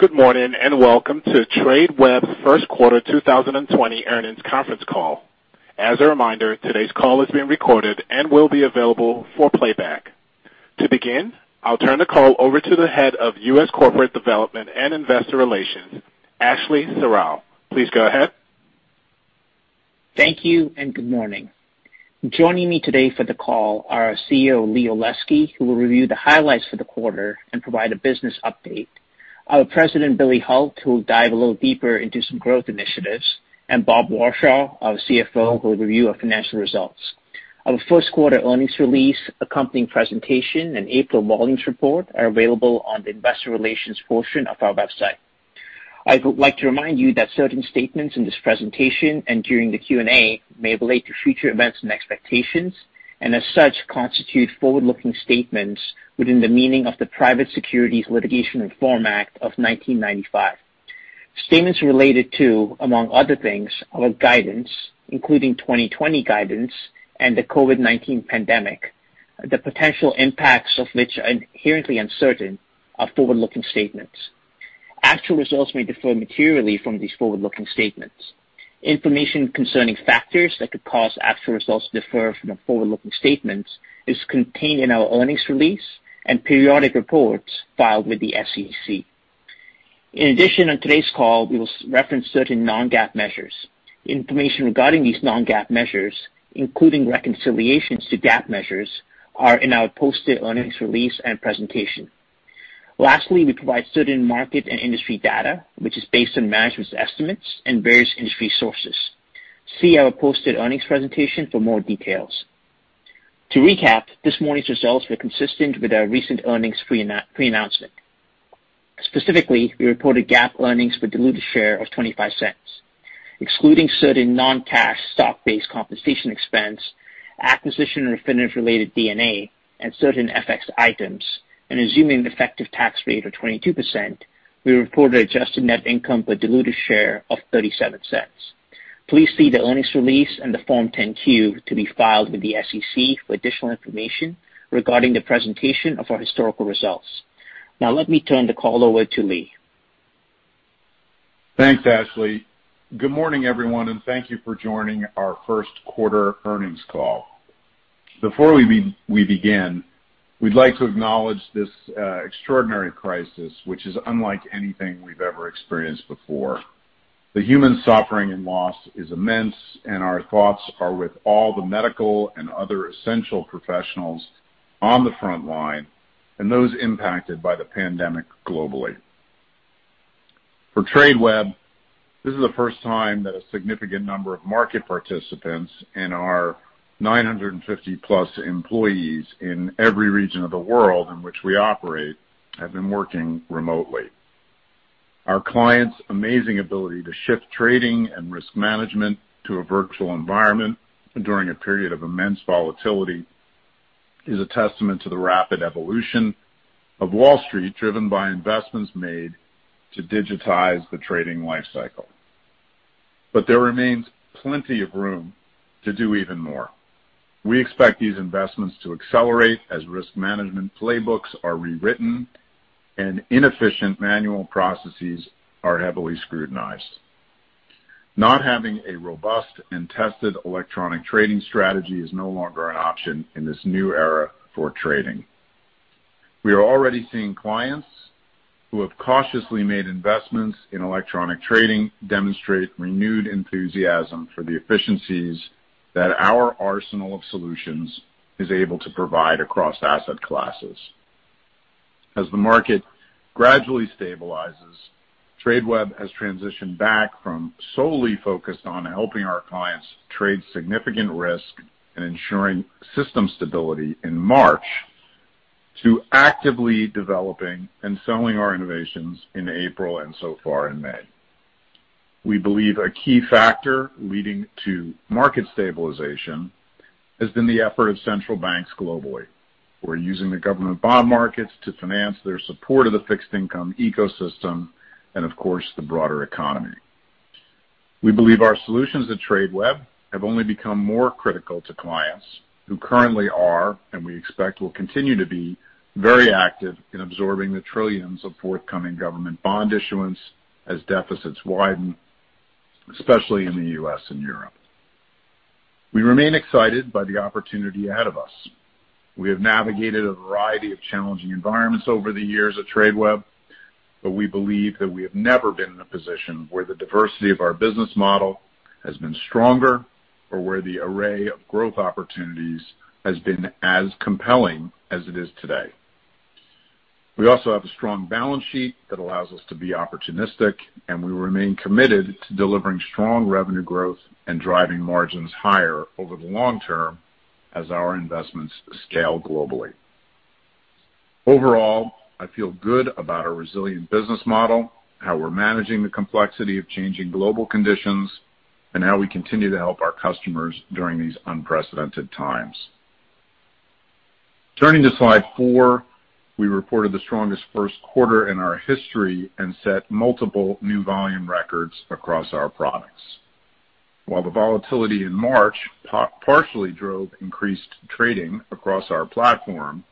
Good morning, Welcome to Tradeweb First Quarter 2020 Earnings Conference Call. As a reminder, today's call is being recorded and will be available for playback. To begin, I'll turn the call over to the Head of U.S. Corporate Development and Investor Relations, Ashley Serrao. Please go ahead. Thank you. Good morning. Joining me today for the call are our CEO, Lee Olesky, who will review the highlights for the quarter and provide a business update, our President, Billy Hult, who will dive a little deeper into some growth initiatives, and Bob Warshaw, our CFO, who will review our financial results. Our first quarter earnings release accompanying presentation and April volumes report are available on the investor relations portion of our website. I would like to remind you that certain statements in this presentation and during the Q&A may relate to future events and expectations, and as such, constitute forward-looking statements within the meaning of the Private Securities Litigation Reform Act of 1995. Statements related to, among other things, our guidance, including 2020 guidance and the COVID-19 pandemic, the potential impacts of which are inherently uncertain, are forward-looking statements. Actual results may differ materially from these forward-looking statements. Information concerning factors that could cause actual results to differ from the forward-looking statements is contained in our earnings release and periodic reports filed with the SEC. In addition, on today's call, we will reference certain non-GAAP measures. Information regarding these non-GAAP measures, including reconciliations to GAAP measures, are in our posted earnings release and presentation. Lastly, we provide certain market and industry data, which is based on management's estimates and various industry sources. See our posted earnings presentation for more details. To recap, this morning's results were consistent with our recent earnings pre-announcement. Specifically, we reported GAAP earnings per diluted share of $0.25. Excluding certain non-cash stock-based compensation expense, acquisition or finance-related D&A, and certain FX items, and assuming an effective tax rate of 22%, we reported adjusted net income per diluted share of $0.37. Please see the earnings release and the Form 10-Q to be filed with the SEC for additional information regarding the presentation of our historical results. Now let me turn the call over to Lee. Thanks, Ashley. Good morning, everyone, and thank you for joining our first quarter earnings call. Before we begin, we'd like to acknowledge this extraordinary crisis, which is unlike anything we've ever experienced before. The human suffering and loss is immense, and our thoughts are with all the medical and other essential professionals on the front line and those impacted by the pandemic globally. For Tradeweb, this is the first time that a significant number of market participants and our 950+ employees in every region of the world in which we operate have been working remotely. Our clients' amazing ability to shift trading and risk management to a virtual environment during a period of immense volatility is a testament to the rapid evolution of Wall Street, driven by investments made to digitize the trading life cycle. There remains plenty of room to do even more. We expect these investments to accelerate as risk management playbooks are rewritten and inefficient manual processes are heavily scrutinized. Not having a robust and tested electronic trading strategy is no longer an option in this new era for trading. We are already seeing clients who have cautiously made investments in electronic trading demonstrate renewed enthusiasm for the efficiencies that our arsenal of solutions is able to provide across asset classes. As the market gradually stabilizes, Tradeweb has transitioned back from solely focused on helping our clients trade significant risk and ensuring system stability in March to actively developing and selling our innovations in April and so far in May. We believe a key factor leading to market stabilization has been the effort of central banks globally who are using the government bond markets to finance their support of the fixed income ecosystem and, of course, the broader economy. We believe our solutions at Tradeweb have only become more critical to clients who currently are, and we expect will continue to be, very active in absorbing the trillions of forthcoming government bond issuance as deficits widen, especially in the U.S. and Europe. We remain excited by the opportunity ahead of us. We have navigated a variety of challenging environments over the years at Tradeweb, but we believe that we have never been in a position where the diversity of our business model has been stronger or where the array of growth opportunities has been as compelling as it is today. We also have a strong balance sheet that allows us to be opportunistic, and we remain committed to delivering strong revenue growth and driving margins higher over the long term as our investments scale globally. Overall, I feel good about our resilient business model, how we're managing the complexity of changing global conditions, and how we continue to help our customers during these unprecedented times. Turning to slide four, we reported the strongest first quarter in our history and set multiple new volume records across our products. While the volatility in March partially drove increased trading across our platform,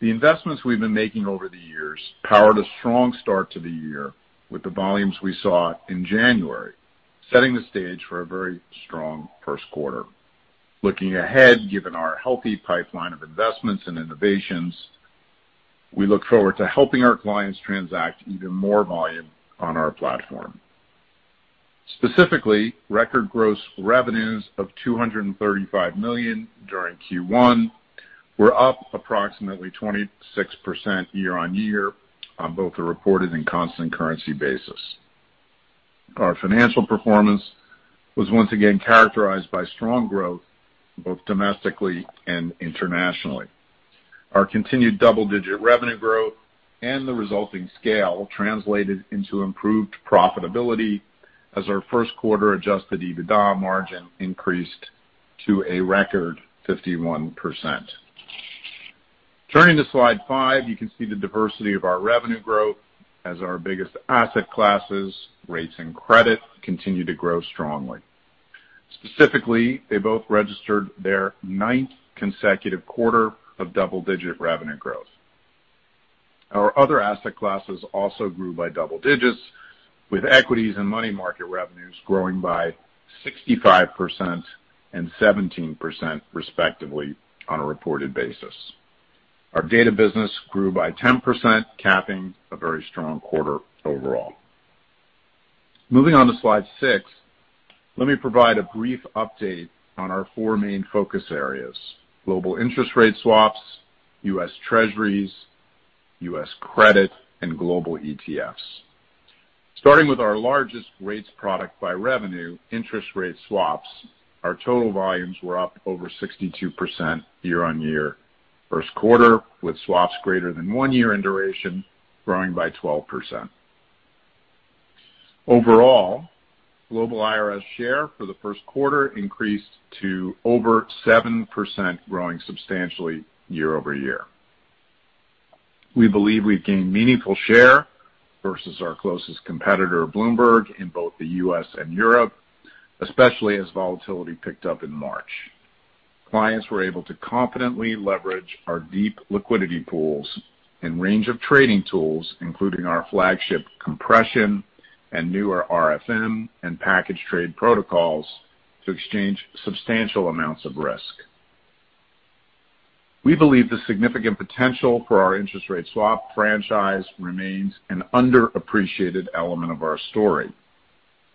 the investments we've been making over the years powered a strong start to the year with the volumes we saw in January, setting the stage for a very strong first quarter. Looking ahead, given our healthy pipeline of investments and innovations, we look forward to helping our clients transact even more volume on our platform. Specifically, record gross revenues of $235 million during Q1 were up approximately 26% year-on-year on both a reported and constant currency basis. Our financial performance was once again characterized by strong growth both domestically and internationally. Our continued double-digit revenue growth and the resulting scale translated into improved profitability as our first quarter adjusted EBITDA margin increased to a record 51%. Turning to slide five, you can see the diversity of our revenue growth as our biggest asset classes, rates, and credit continue to grow strongly. Specifically, they both registered their ninth consecutive quarter of double-digit revenue growth. Our other asset classes also grew by double digits, with equities and money market revenues growing by 65% and 17%, respectively, on a reported basis. Our data business grew by 10%, capping a very strong quarter overall. Moving on to slide six, let me provide a brief update on our four main focus areas, Global interest rate swaps, U.S. Treasuries, U.S. credit, and global ETFs. Starting with our largest rates product by revenue, Interest Rate Swaps, our total volumes were up over 62% year-on-year first quarter, with swaps greater than one year in duration growing by 12%. Overall, global IRS share for the first quarter increased to over 7%, growing substantially year-over-year. We believe we've gained meaningful share versus our closest competitor, Bloomberg, in both the U.S. and Europe, especially as volatility picked up in March. Clients were able to confidently leverage our deep liquidity pools and range of trading tools, including our flagship compression and newer RFM and package trade protocols, to exchange substantial amounts of risk. We believe the significant potential for our Interest Rate Swap franchise remains an underappreciated element of our story.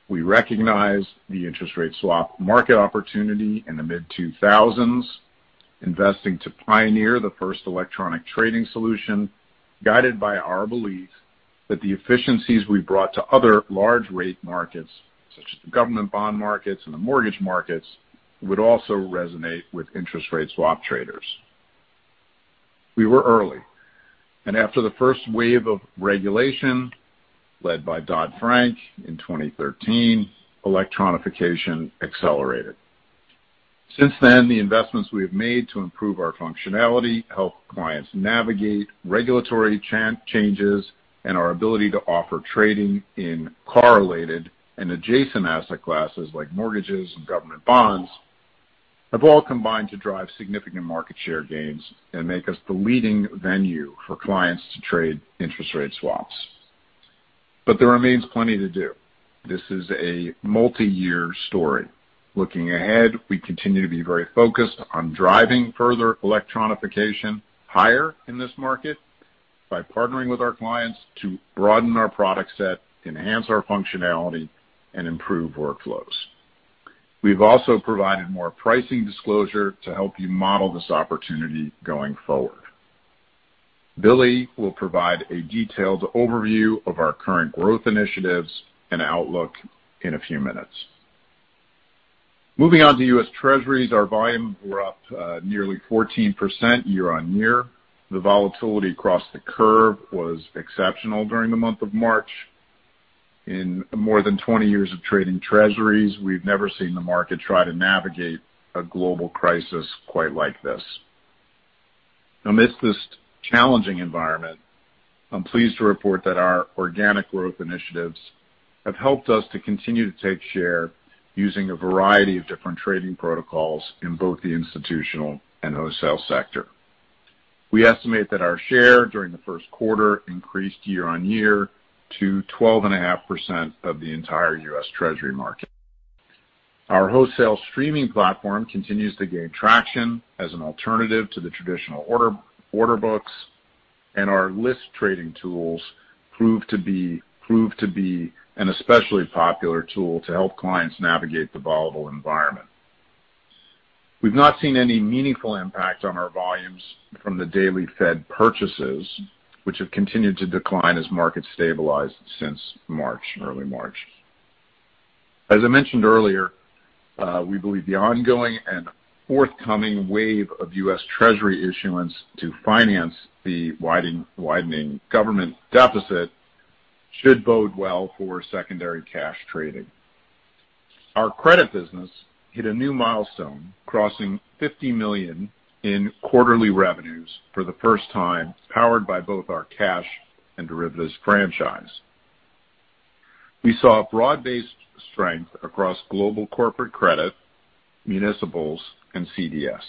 We recognized the interest rate swap market opportunity in the mid-2000s, investing to pioneer the first electronic trading solution, guided by our belief that the efficiencies we brought to other large rate markets, such as the government bond markets and the mortgage markets, would also resonate with interest rate swap traders. We were early, after the first wave of regulation led by Dodd-Frank in 2013, electronification accelerated. Since then, the investments we have made to improve our functionality help clients navigate regulatory changes, and our ability to offer trading in correlated and adjacent asset classes like mortgages and government bonds have all combined to drive significant market share gains and make us the leading venue for clients to trade interest rate swaps. There remains plenty to do. This is a multi-year story. Looking ahead, we continue to be very focused on driving further electronification higher in this market by partnering with our clients to broaden our product set, enhance our functionality, and improve workflows. We've also provided more pricing disclosure to help you model this opportunity going forward. Billy will provide a detailed overview of our current growth initiatives and outlook in a few minutes. Moving on to U.S. Treasuries. Our volumes were up nearly 14% year-on-year. The volatility across the curve was exceptional during the month of March. In more than 20 years of trading Treasuries, we've never seen the market try to navigate a global crisis quite like this. Amidst this challenging environment, I'm pleased to report that our organic growth initiatives have helped us to continue to take share using a variety of different trading protocols in both the institutional and wholesale sector. We estimate that our share during the first quarter increased year-on-year to 12.5% of the entire U.S. Treasury market. Our wholesale streaming platform continues to gain traction as an alternative to the traditional order books. Our list trading tools prove to be an especially popular tool to help clients navigate the volatile environment. We've not seen any meaningful impact on our volumes from the daily Fed purchases, which have continued to decline as markets stabilized since March. As I mentioned earlier, we believe the ongoing and forthcoming wave of U.S. Treasury issuance to finance the widening government deficit should bode well for secondary cash trading. Our credit business hit a new milestone, crossing $50 million in quarterly revenues for the first time, powered by both our cash-and derivatives franchise. We saw broad-based strength across global corporate credit, municipals, and CDS.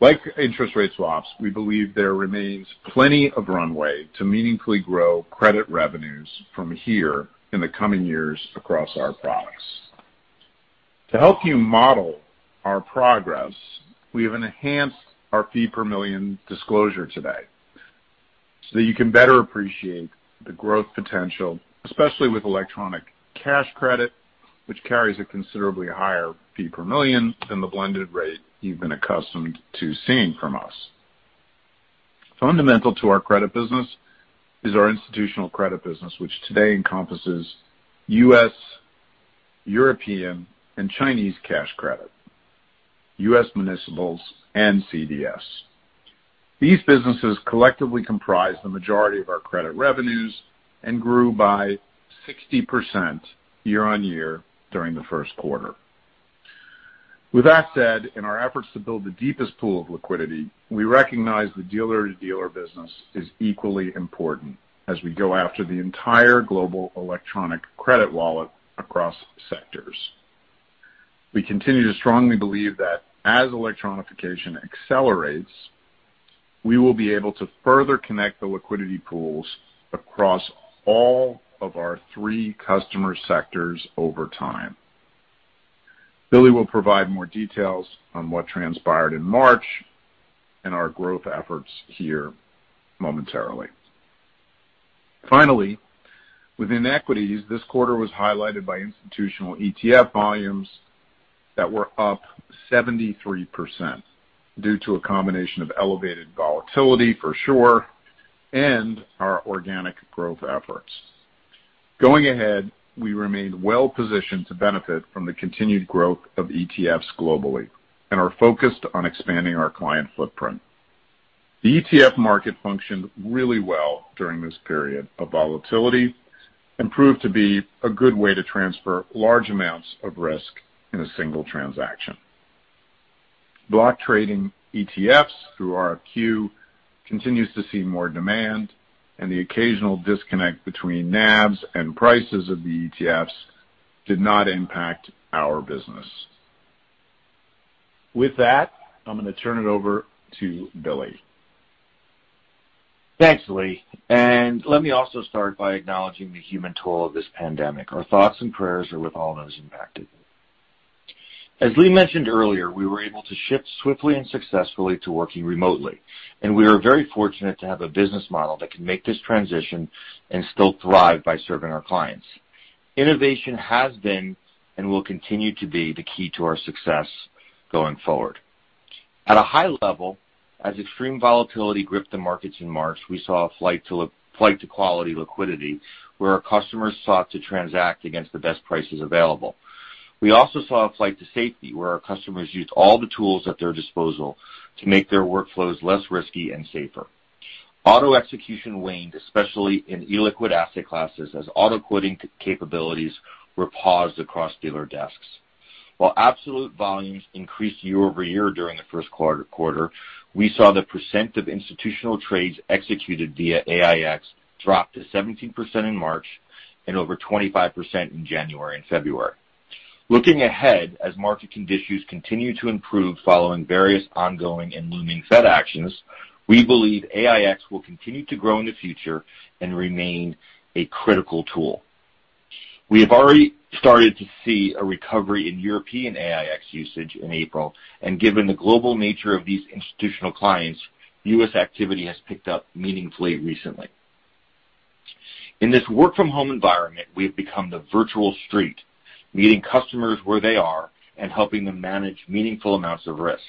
Like interest rate swaps, we believe there remains plenty of runway to meaningfully grow credit revenues from here in the coming years across our products. To help you model our progress, we have enhanced our fee per million disclosure today so that you can better appreciate the growth potential, especially with electronic cash credit, which carries a considerably higher fee per million than the blended rate you've been accustomed to seeing from us. Fundamental to our credit business is our institutional credit business, which today encompasses U.S., European, and Chinese cash credit, U.S. municipals, and CDS. These businesses collectively comprise the majority of our credit revenues and grew by 60% year-on-year during the first quarter. With that said, in our efforts to build the deepest pool of liquidity, we recognize the dealer-to-dealer business is equally important as we go after the entire global electronic credit wallet across sectors. We continue to strongly believe that as electronification accelerates, we will be able to further connect the liquidity pools across all of our three customer sectors over time. Billy will provide more details on what transpired in March and our growth efforts here momentarily. Finally, within equities, this quarter was highlighted by institutional ETF volumes that were up 73% due to a combination of elevated volatility for sure, and our organic growth efforts. Going ahead, we remain well-positioned to benefit from the continued growth of ETFs globally and are focused on expanding our client footprint. The ETF market functioned really well during this period of volatility and proved to be a good way to transfer large amounts of risk in a single transaction. Block trading ETFs through RFQ continues to see more demand, and the occasional disconnect between NAVs and prices of the ETFs did not impact our business. With that, I'm going to turn it over to Billy. Thanks, Lee. Let me also start by acknowledging the human toll of this pandemic. Our thoughts and prayers are with all those impacted. As Lee mentioned earlier, we were able to shift swiftly and successfully to working remotely, and we are very fortunate to have a business model that can make this transition and still thrive by serving our clients. Innovation has been and will continue to be the key to our success going forward. At a high level, as extreme volatility gripped the markets in March, we saw a flight to quality liquidity where our customers sought to transact against the best prices available. We also saw a flight to safety, where our customers used all the tools at their disposal to make their workflows less risky and safer. Auto-execution waned, especially in illiquid asset classes, as auto-quoting capabilities were paused across dealer desks. While absolute volumes increased year-over-year during the first quarter, we saw the percent of institutional trades executed via AiEX drop to 17% in March and over 25% in January and February. Looking ahead, as market conditions continue to improve following various ongoing and looming Fed actions, we believe AiEX will continue to grow in the future and remain a critical tool. We have already started to see a recovery in European AiEX usage in April, and given the global nature of these institutional clients, U.S. activity has picked up meaningfully recently. In this work from home environment, we have become the virtual street, meeting customers where they are and helping them manage meaningful amounts of risk.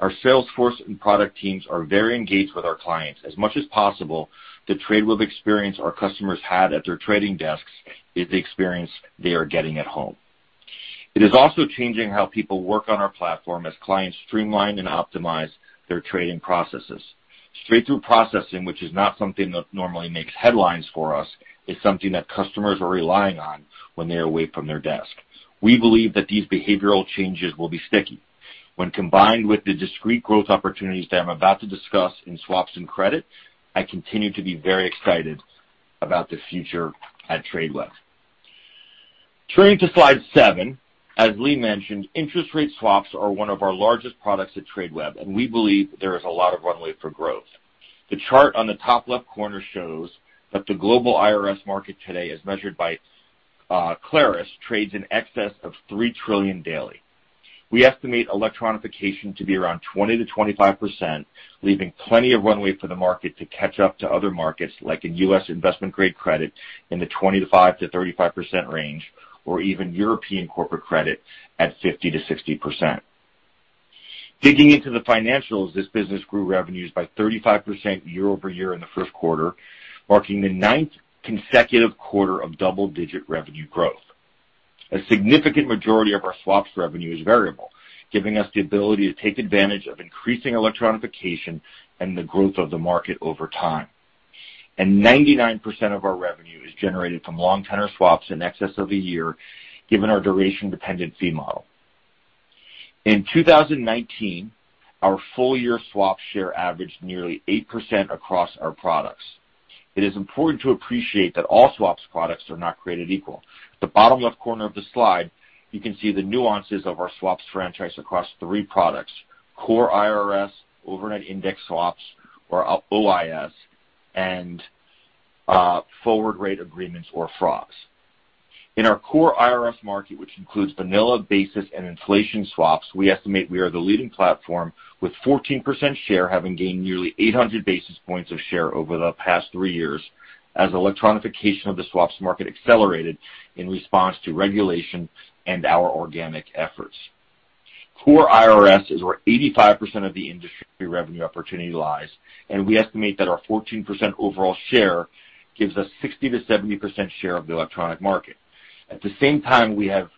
Our sales force and product teams are very engaged with our clients as much as possible. The Tradeweb experience our customers had at their trading desks is the experience they are getting at home. It is also changing how people work on our platform as clients streamline and optimize their trading processes. Straight-through processing, which is not something that normally makes headlines for us, is something that customers are relying on when they're away from their desk. We believe that these behavioral changes will be sticky. When combined with the discrete growth opportunities that I'm about to discuss in swaps and credit, I continue to be very excited about the future at Tradeweb. Turning to slide seven, as Lee mentioned, interest rate swaps are one of our largest products at Tradeweb, and we believe there is a lot of runway for growth. The chart on the top left corner shows that the global IRS market today, as measured by Clarus, trades in excess of $3 trillion daily. We estimate electronification to be around 20%-25%, leaving plenty of runway for the market to catch up to other markets like in U.S. investment-grade credit in the 25%-35% range, or even European corporate credit at 50%-60%. Digging into the financials, this business grew revenues by 35% year-over-year in the first quarter, marking the ninth consecutive quarter of double-digit revenue growth. A significant majority of our swaps revenue is variable, giving us the ability to take advantage of increasing electronification and the growth of the market over time. 99% of our revenue is generated from long tenor swaps in excess of a year, given our duration-dependent fee model. In 2019, our full-year swap share averaged nearly 8% across our products. It is important to appreciate that all swaps products are not created equal. At the bottom left corner of the slide, you can see the nuances of our swaps franchise across three products, core IRS, overnight index swaps, or OIS, and forward rate agreements, or FRAs. In our core IRS market, which includes vanilla basis and inflation swaps, we estimate we are the leading platform with 14% share, having gained nearly 800 basis points of share over the past three years as electronification of the swaps market accelerated in response to regulation and our organic efforts. Core IRS is where 85% of the industry revenue opportunity lies, and we estimate that our 14% overall share gives us 60%-70% share of the electronic market. At the same time, we have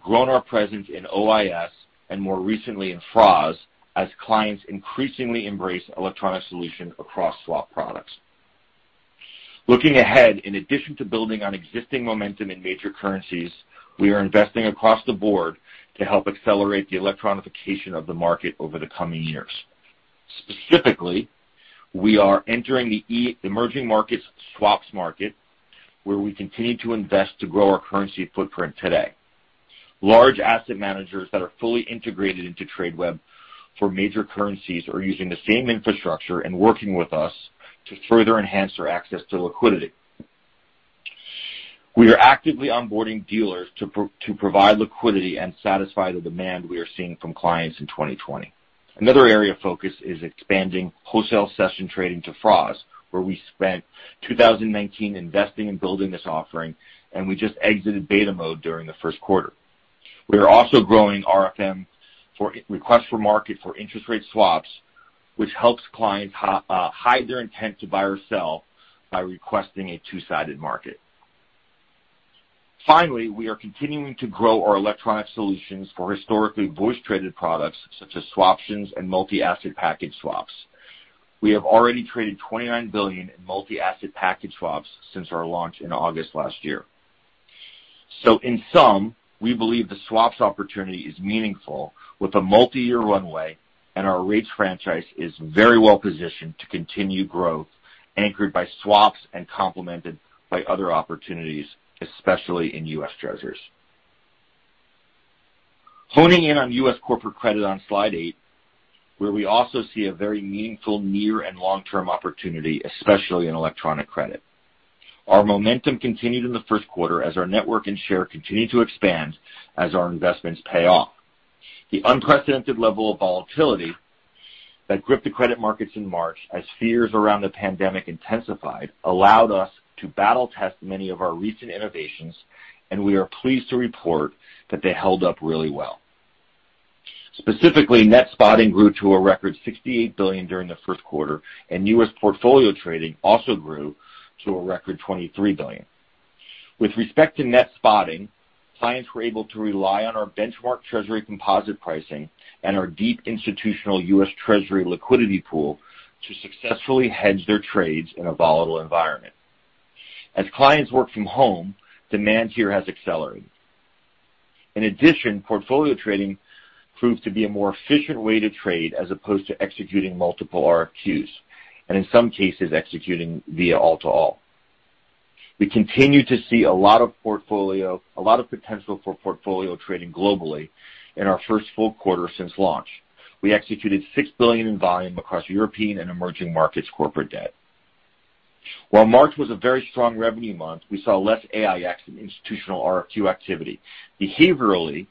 grown our presence in OIS, and more recently in FRAs, as clients increasingly embrace electronic solution across swap products. Looking ahead, in addition to building on existing momentum in major currencies, we are investing across the board to help accelerate the electronification of the market over the coming years. We are entering the emerging markets swaps market, where we continue to invest to grow our currency footprint today. Large asset managers that are fully integrated into Tradeweb for major currencies are using the same infrastructure and working with us to further enhance our access to liquidity. We are actively onboarding dealers to provide liquidity and satisfy the demand we are seeing from clients in 2020. Another area of focus is expanding wholesale session trading to FRAs, where we spent 2019 investing in building this offering, and we just exited beta mode during the first quarter. We are also growing RFM for request for market for interest rate swaps, which helps clients hide their intent to buy or sell by requesting a two-sided market. Finally, we are continuing to grow our electronic solutions for historically voice-traded products such as swaptions and multi-asset package swaps. We have already traded $29 billion in multi-asset package swaps since our launch in August last year. In sum, we believe the swaps opportunity is meaningful with a multi-year runway, and our rates franchise is very well-positioned to continue growth anchored by swaps and complemented by other opportunities, especially in U.S. Treasuries. Honing in on U.S. corporate credit on slide eight, where we also see a very meaningful near and long-term opportunity, especially in electronic credit. Our momentum continued in the first quarter as our network and share continued to expand as our investments pay off. The unprecedented level of volatility that gripped the credit markets in March as fears around the pandemic intensified allowed us to battle-test many of our recent innovations, and we are pleased to report that they held up really well. Specifically, Net Spotting grew to a record $68 billion during the first quarter, and U.S. Portfolio Trading also grew to a record $23 billion. With respect to Net Spotting, clients were able to rely on our benchmark Treasury composite pricing and our deep institutional U.S. Treasury liquidity pool to successfully hedge their trades in a volatile environment. As clients work from home, demand here has accelerated. In addition, Portfolio Trading proved to be a more efficient way to trade as opposed to executing multiple RFQs, and in some cases, executing via all-to-all. We continue to see a lot of potential for Portfolio Trading globally in our first full quarter since launch. We executed $6 billion in volume across European and emerging markets corporate debt. While March was a very strong revenue month, we saw less AiEX and institutional RFQ activity. Behaviorally,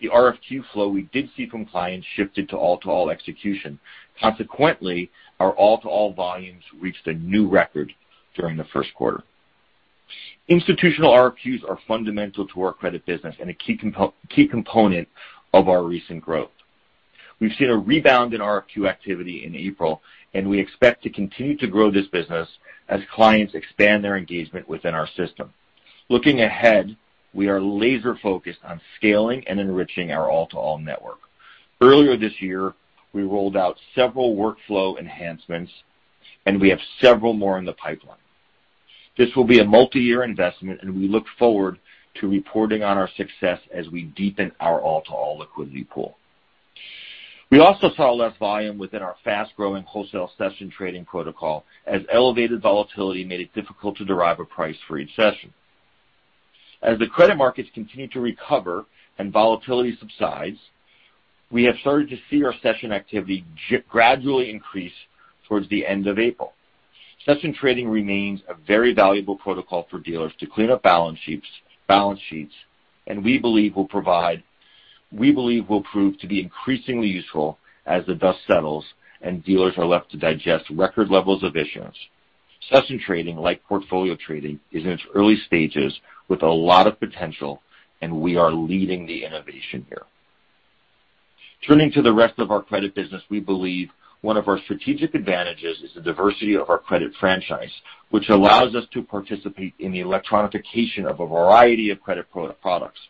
the RFQ flow we did see from clients shifted to all-to-all execution. Our all-to-all volumes reached a new record during the first quarter. Institutional RFQs are fundamental to our credit business and a key component of our recent growth. We've seen a rebound in RFQ activity in April. We expect to continue to grow this business as clients expand their engagement within our system. Looking ahead, we are laser-focused on scaling and enriching our all-to-all network. Earlier this year, we rolled out several workflow enhancements. We have several more in the pipeline. This will be a multi-year investment. We look forward to reporting on our success as we deepen our all-to-all liquidity pool. We also saw less volume within our fast-growing wholesale session trading protocol, as elevated volatility made it difficult to derive a price for each session. The credit markets continue to recover and volatility subsides, we have started to see our session activity gradually increase towards the end of April. Session Trading remains a very valuable protocol for dealers to clean up balance sheets, and we believe will prove to be increasingly useful as the dust settles and dealers are left to digest record levels of issuance. Session trading, like portfolio trading, is in its early stages with a lot of potential, and we are leading the innovation here. Turning to the rest of our credit business, we believe one of our strategic advantages is the diversity of our credit franchise, which allows us to participate in the electronification of a variety of credit products.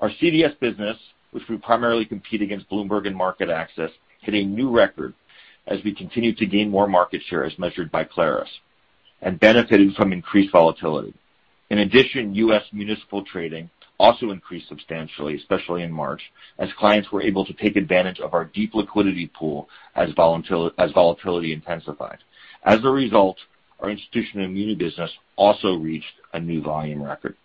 Our CDS business, which we primarily compete against Bloomberg and MarketAxess, hit a new record as we continue to gain more market share as measured by Clarus. Benefited from increased volatility. In addition, U.S. municipal trading also increased substantially, especially in March, as clients were able to take advantage of our deep liquidity pool as volatility intensified. As a result, our institutional muni business also reached a new volume record.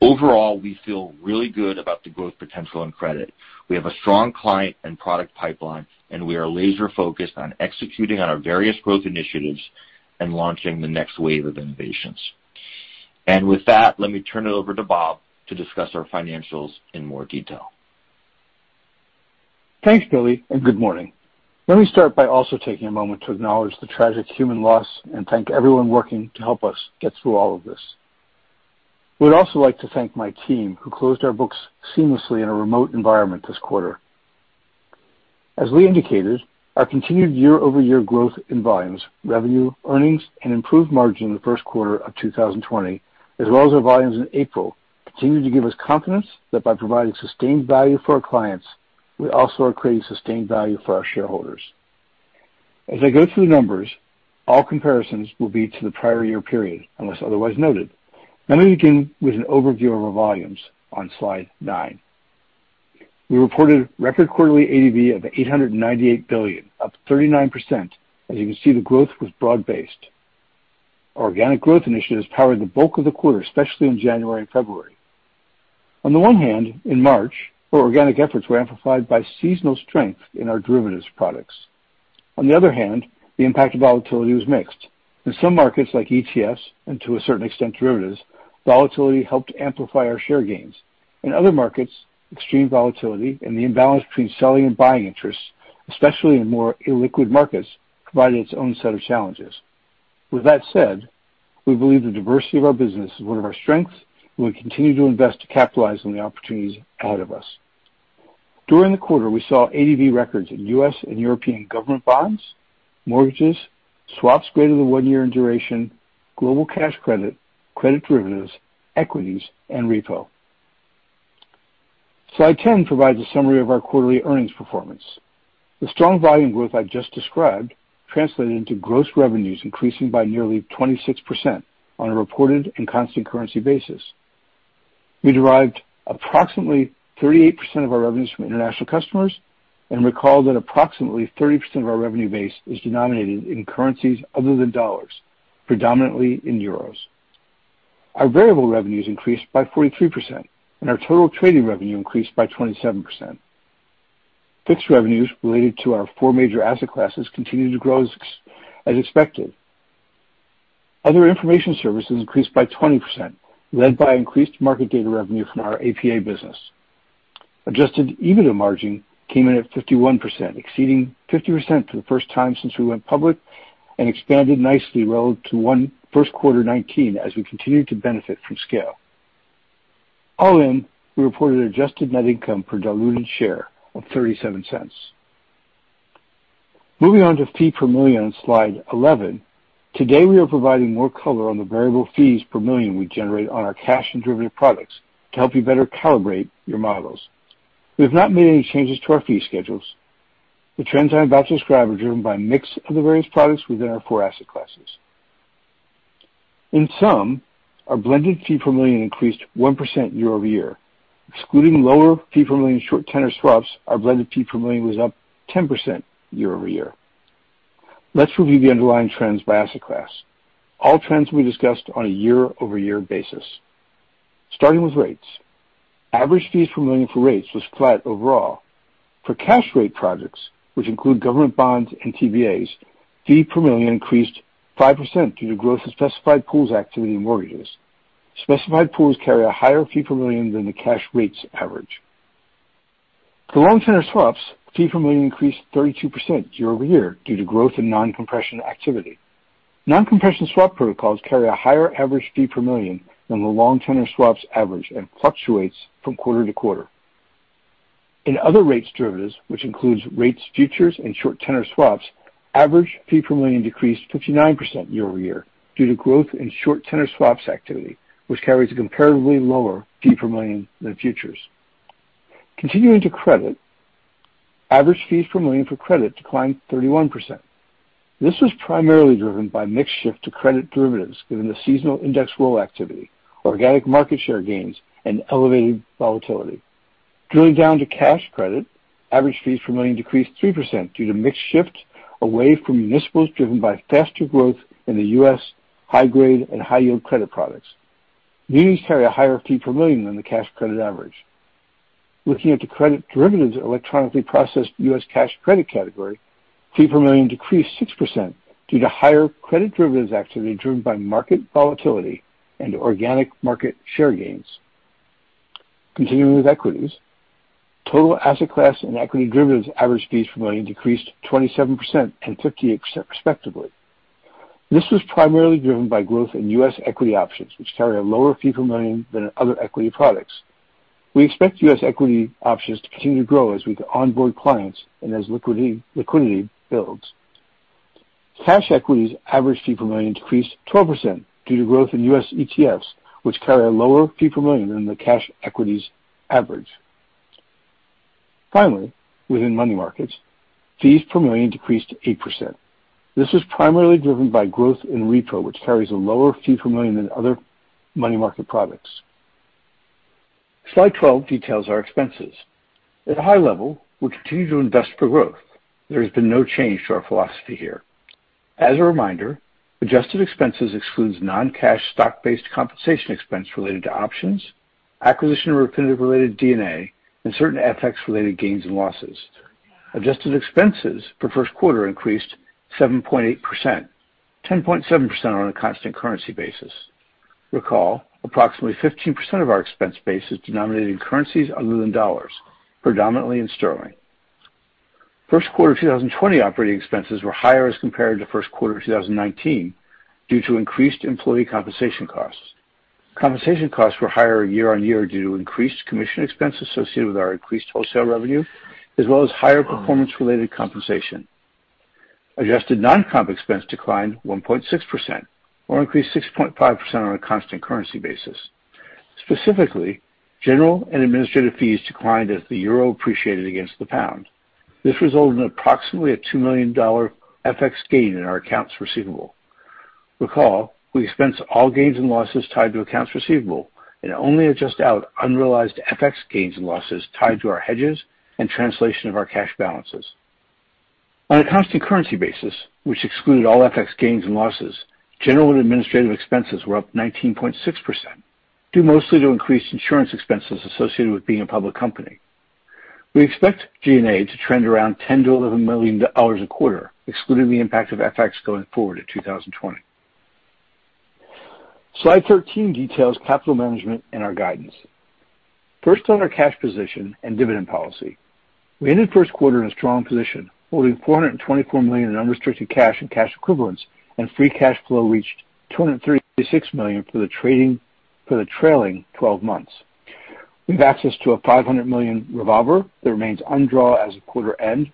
Overall, we feel really good about the growth potential in credit. We have a strong client and product pipeline, and we are laser-focused on executing on our various growth initiatives and launching the next wave of innovations. With that, let me turn it over to Bob to discuss our financials in more detail. Thanks, Billy. Good morning. Let me start by also taking a moment to acknowledge the tragic human loss and thank everyone working to help us get through all of this. We'd also like to thank my team who closed our books seamlessly in a remote environment this quarter. As Lee indicated, our continued year-over-year growth in volumes, revenue, earnings, and improved margin in the first quarter of 2020, as well as our volumes in April, continue to give us confidence that by providing sustained value for our clients, we also are creating sustained value for our shareholders. As I go through the numbers, all comparisons will be to the prior year period, unless otherwise noted. Let me begin with an overview of our volumes on slide nine. We reported record quarterly ADV of $898 billion, up 39%. As you can see, the growth was broad-based. Our organic growth initiatives powered the bulk of the quarter, especially in January and February. On the one hand, in March, our organic efforts were amplified by seasonal strength in our derivatives products. On the other hand, the impact of volatility was mixed. In some markets like ETFs, and to a certain extent, derivatives, volatility helped amplify our share gains. In other markets, extreme volatility and the imbalance between selling and buying interests, especially in more illiquid markets, provided its own set of challenges. With that said, we believe the diversity of our business is one of our strengths, and we continue to invest to capitalize on the opportunities ahead of us. During the quarter, we saw ADV records in U.S. and European government bonds, mortgages, swaps greater than one year in duration, global cash credit derivatives, equities, and repo. Slide 10 provides a summary of our quarterly earnings performance. The strong volume growth I just described translated into gross revenues increasing by nearly 26% on a reported and constant currency basis. We derived approximately 38% of our revenues from international customers and recall that approximately 30% of our revenue base is denominated in currencies other than dollars, predominantly in euros. Our variable revenues increased by 43%, and our total trading revenue increased by 27%. Fixed revenues related to our four major asset classes continued to grow as expected. Other information services increased by 20%, led by increased market data revenue from our APA business. Adjusted EBITDA margin came in at 51%, exceeding 50% for the first time since we went public and expanded nicely relative to first quarter 2019 as we continued to benefit from scale. All in, we reported adjusted net income per diluted share of $0.37. Moving on to fee per million on slide 11. Today, we are providing more color on the variable fees per million we generate on our cash and derivative products to help you better calibrate your models. We have not made any changes to our fee schedules. The trends I'm about to describe are driven by mix of the various products within our four asset classes. In sum, our blended fee per million increased 1% year-over-year. Excluding lower fee per million short tenor swaps, our blended fee per million was up 10% year-over-year. Let's review the underlying trends by asset class. All trends will be discussed on a year-over-year basis. Starting with rates. Average fees per million for rates was flat overall. For cash rate products, which include government bonds and TBAs, fee per million increased 5% due to growth in specified pools activity in mortgages. Specified pools carry a higher fee per million than the cash rates average. For long tenor swaps, fee per million increased 32% year-over-year due to growth in non-compression activity. Non-compression swap protocols carry a higher average fee per million than the long tenor swaps average and fluctuates from quarter to quarter. In other rates derivatives, which includes rates futures and short tenor swaps, average fee per million decreased 59% year-over-year due to growth in short tenor swaps activity, which carries a comparably lower fee per million than futures. Continuing to credit. Average fees per million for credit declined 31%. This was primarily driven by mix shift to credit derivatives given the seasonal index roll activity, organic market share gains, and elevated volatility. Drilling down to cash credit, average fees per million decreased 3% due to mix shift away from municipals driven by faster growth in the U.S. high grade and high yield credit products. Munis carry a higher fee per million than the cash credit average. Looking at the credit derivatives electronically processed U.S. cash credit category, fee per million decreased 6% due to higher credit derivatives activity driven by market volatility and organic market share gains. Continuing with equities. Total asset class and equity derivatives average fees per million decreased 27% and 58% respectively. This was primarily driven by growth in U.S. equity options, which carry a lower fee per million than other equity products. We expect U.S. equity options to continue to grow as we onboard clients and as liquidity builds. Cash equities average fee per million decreased 12% due to growth in U.S. ETFs, which carry a lower fee per million than the cash equities average. Within money markets, fees per million decreased 8%. This was primarily driven by growth in repo, which carries a lower fee per million than other money market products. Slide 12 details our expenses. At a high level, we continue to invest for growth. There has been no change to our philosophy here. As a reminder, adjusted expenses excludes non-cash stock-based compensation expense related to options, acquisition or Refinitiv related D&A, and certain FX related gains and losses. Adjusted expenses for first quarter increased 7.8%, 10.7% on a constant currency basis. Recall, approximately 15% of our expense base is denominated in currencies other than dollars, predominantly in sterling. First quarter 2020 operating expenses were higher as compared to first quarter 2019 due to increased employee compensation costs. Compensation costs were higher year-over-year due to increased commission expense associated with our increased wholesale revenue, as well as higher performance-related compensation. Adjusted non-comp expense declined 1.6%, or increased 6.5% on a constant currency basis. Specifically, general and administrative fees declined as the euro appreciated against the pound. This resulted in approximately a $2 million FX gain in our accounts receivable. Recall, we expense all gains and losses tied to accounts receivable and only adjust out unrealized FX gains and losses tied to our hedges and translation of our cash balances. On a constant currency basis, which excluded all FX gains and losses, general and administrative expenses were up 19.6%, due mostly to increased insurance expenses associated with being a public company. We expect G&A to trend around $10 million-$11 million a quarter, excluding the impact of FX going forward in 2020. Slide 13 details capital management and our guidance. First on our cash position and dividend policy. We ended first quarter in a strong position, holding $424 million in unrestricted cash and cash equivalents, and free cash flow reached $236 million for the trailing 12 months. We have access to a $500 million revolver that remains undrawn as of quarter end.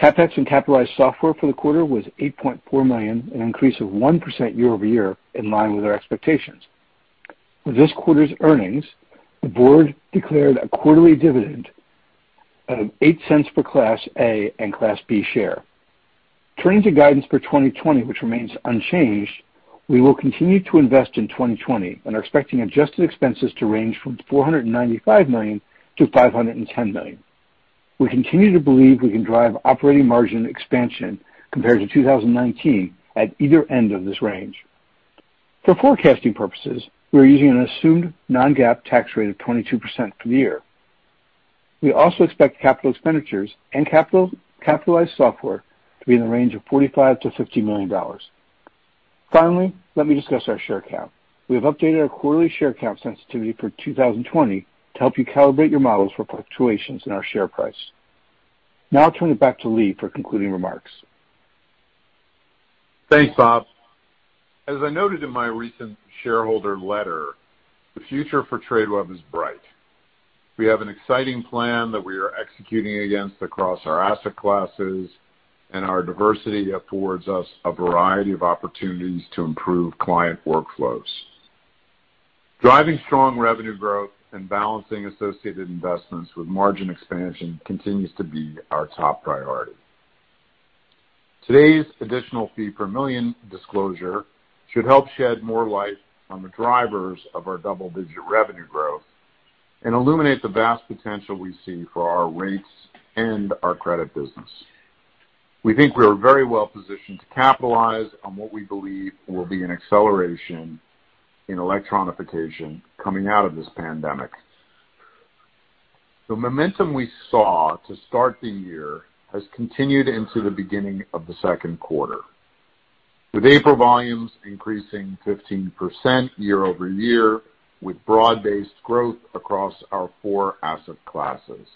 CapEx and capitalized software for the quarter was $8.4 million, an increase of 1% year-over-year in line with our expectations. For this quarter's earnings, the board declared a quarterly dividend of $0.08 per Class A and Class B share. Turning to guidance for 2020, which remains unchanged, we will continue to invest in 2020 and are expecting adjusted expenses to range from $495 million-$510 million. We continue to believe we can drive operating margin expansion compared to 2019 at either end of this range. For forecasting purposes, we're using an assumed non-GAAP tax rate of 22% for the year. We also expect capital expenditures and capitalized software to be in the range of $45 million-$50 million. Let me discuss our share count. We have updated our quarterly share count sensitivity for 2020 to help you calibrate your models for fluctuations in our share price. I'll turn it back to Lee for concluding remarks. Thanks, Bob. As I noted in my recent shareholder letter, the future for Tradeweb is bright. We have an exciting plan that we are executing against across our asset classes, and our diversity affords us a variety of opportunities to improve client workflows. Driving strong revenue growth and balancing associated investments with margin expansion continues to be our top priority. Today's additional fee per million disclosure should help shed more light on the drivers of our double-digit revenue growth and illuminate the vast potential we see for our rates and our credit business. We think we're very well-positioned to capitalize on what we believe will be an acceleration in electronification coming out of this pandemic. The momentum we saw to start the year has continued into the beginning of the second quarter, with April volumes increasing 15% year-over-year with broad-based growth across our four asset classes.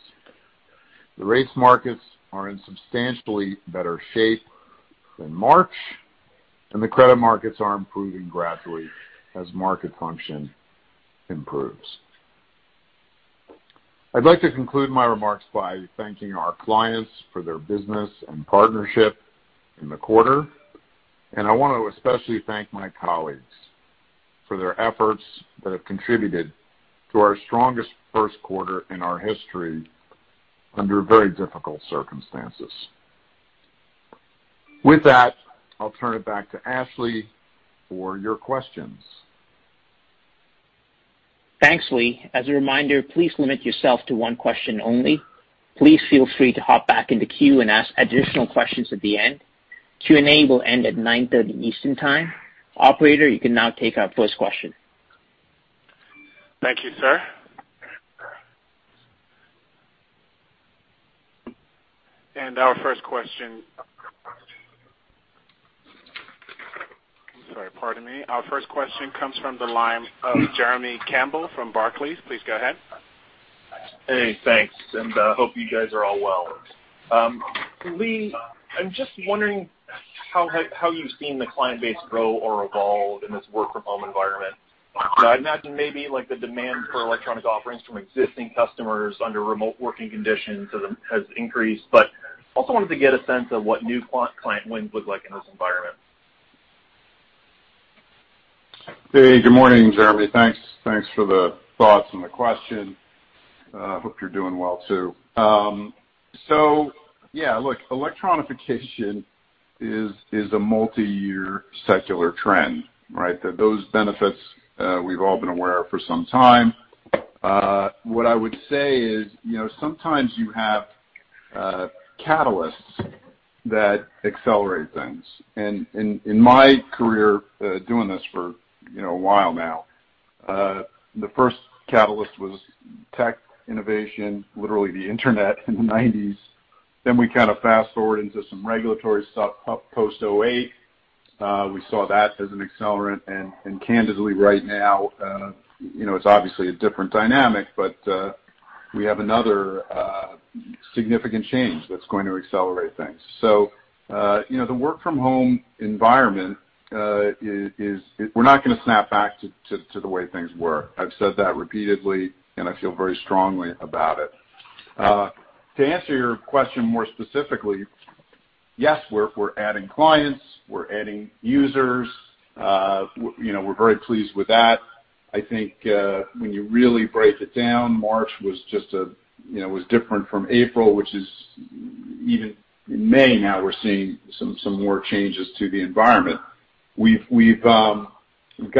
The rates markets are in substantially better shape than March, and the credit markets are improving gradually as market function improves. I'd like to conclude my remarks by thanking our clients for their business and partnership in the quarter, and I want to especially thank my colleagues for their efforts that have contributed to our strongest first quarter in our history under very difficult circumstances. With that, I'll turn it back to Ashley for your questions. Thanks, Lee. As a reminder, please limit yourself to one question only. Please feel free to hop back in the queue and ask additional questions at the end. Q&A will end at 9:30 Eastern time. Operator, you can now take our first question. Thank you, sir. Our first question comes from the line of Jeremy Campbell from Barclays. Please go ahead. Hey, thanks. Hope you guys are all well. Lee, I'm just wondering how you've seen the client base grow or evolve in this work from home environment. I imagine maybe the demand for electronic offerings from existing customers under remote working conditions has increased. Also wanted to get a sense of what new client wins look like in this environment. Hey, good morning, Jeremy. Thanks for the thoughts and the question. Hope you're doing well, too. Yeah, look, electronification is a multi-year secular trend, right? Those benefits we've all been aware of for some time. What I would say is, sometimes you have catalysts that accelerate things. In my career, doing this for a while now, the first catalyst was tech innovation, literally the internet in the '90s. We kind of fast-forward into some regulatory stuff post '08. We saw that as an accelerant, and candidly right now, it's obviously a different dynamic, but we have another significant change that's gonna accelerate things. The work from home environment, we're not gonna snap back to the way things were. I've said that repeatedly, and I feel very strongly about it. To answer your question more specifically, yes, we're adding clients, we're adding users. We're very pleased with that. I think, when you really break it down, March was different from April, which is Even in May now we're seeing some more changes to the environment. We've got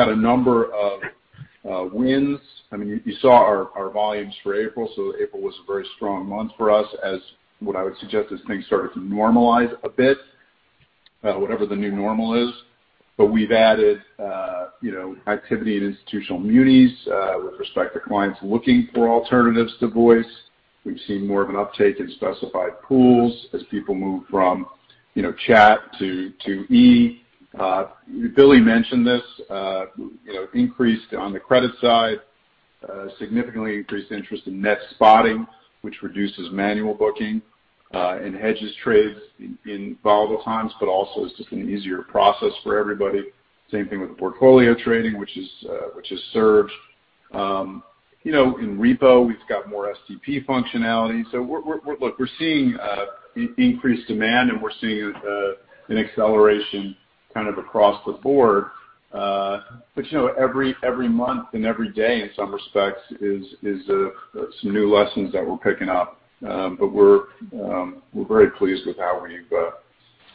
a number of wins. You saw our volumes for April, so April was a very strong month for us as what I would suggest as things started to normalize a bit, whatever the new normal is. We've added activity in institutional munis, with respect to clients looking for alternatives to voice. We've seen more of an uptake in specified pools as people move from chat to E. Billy mentioned this, increased on the credit side, significantly increased interest in Net Spotting, which reduces manual booking, and hedges trades in volatile times, but also it's just an easier process for everybody. Same thing with the Portfolio Trading, which has surged. In repo, we've got more STP functionality. look, we're seeing increased demand, and we're seeing an acceleration kind of across the board. every month and every day, in some respects, is some new lessons that we're picking up. we're very pleased with how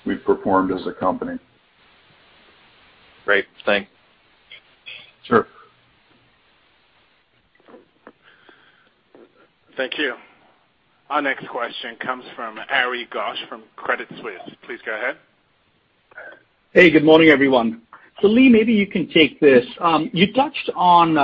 we've performed as a company. Great. Thanks. Sure. Thank you. Our next question comes from Ari Ghosh from Credit Suisse. Please go ahead. Hey, good morning, everyone. Lee, maybe you can take this. You touched on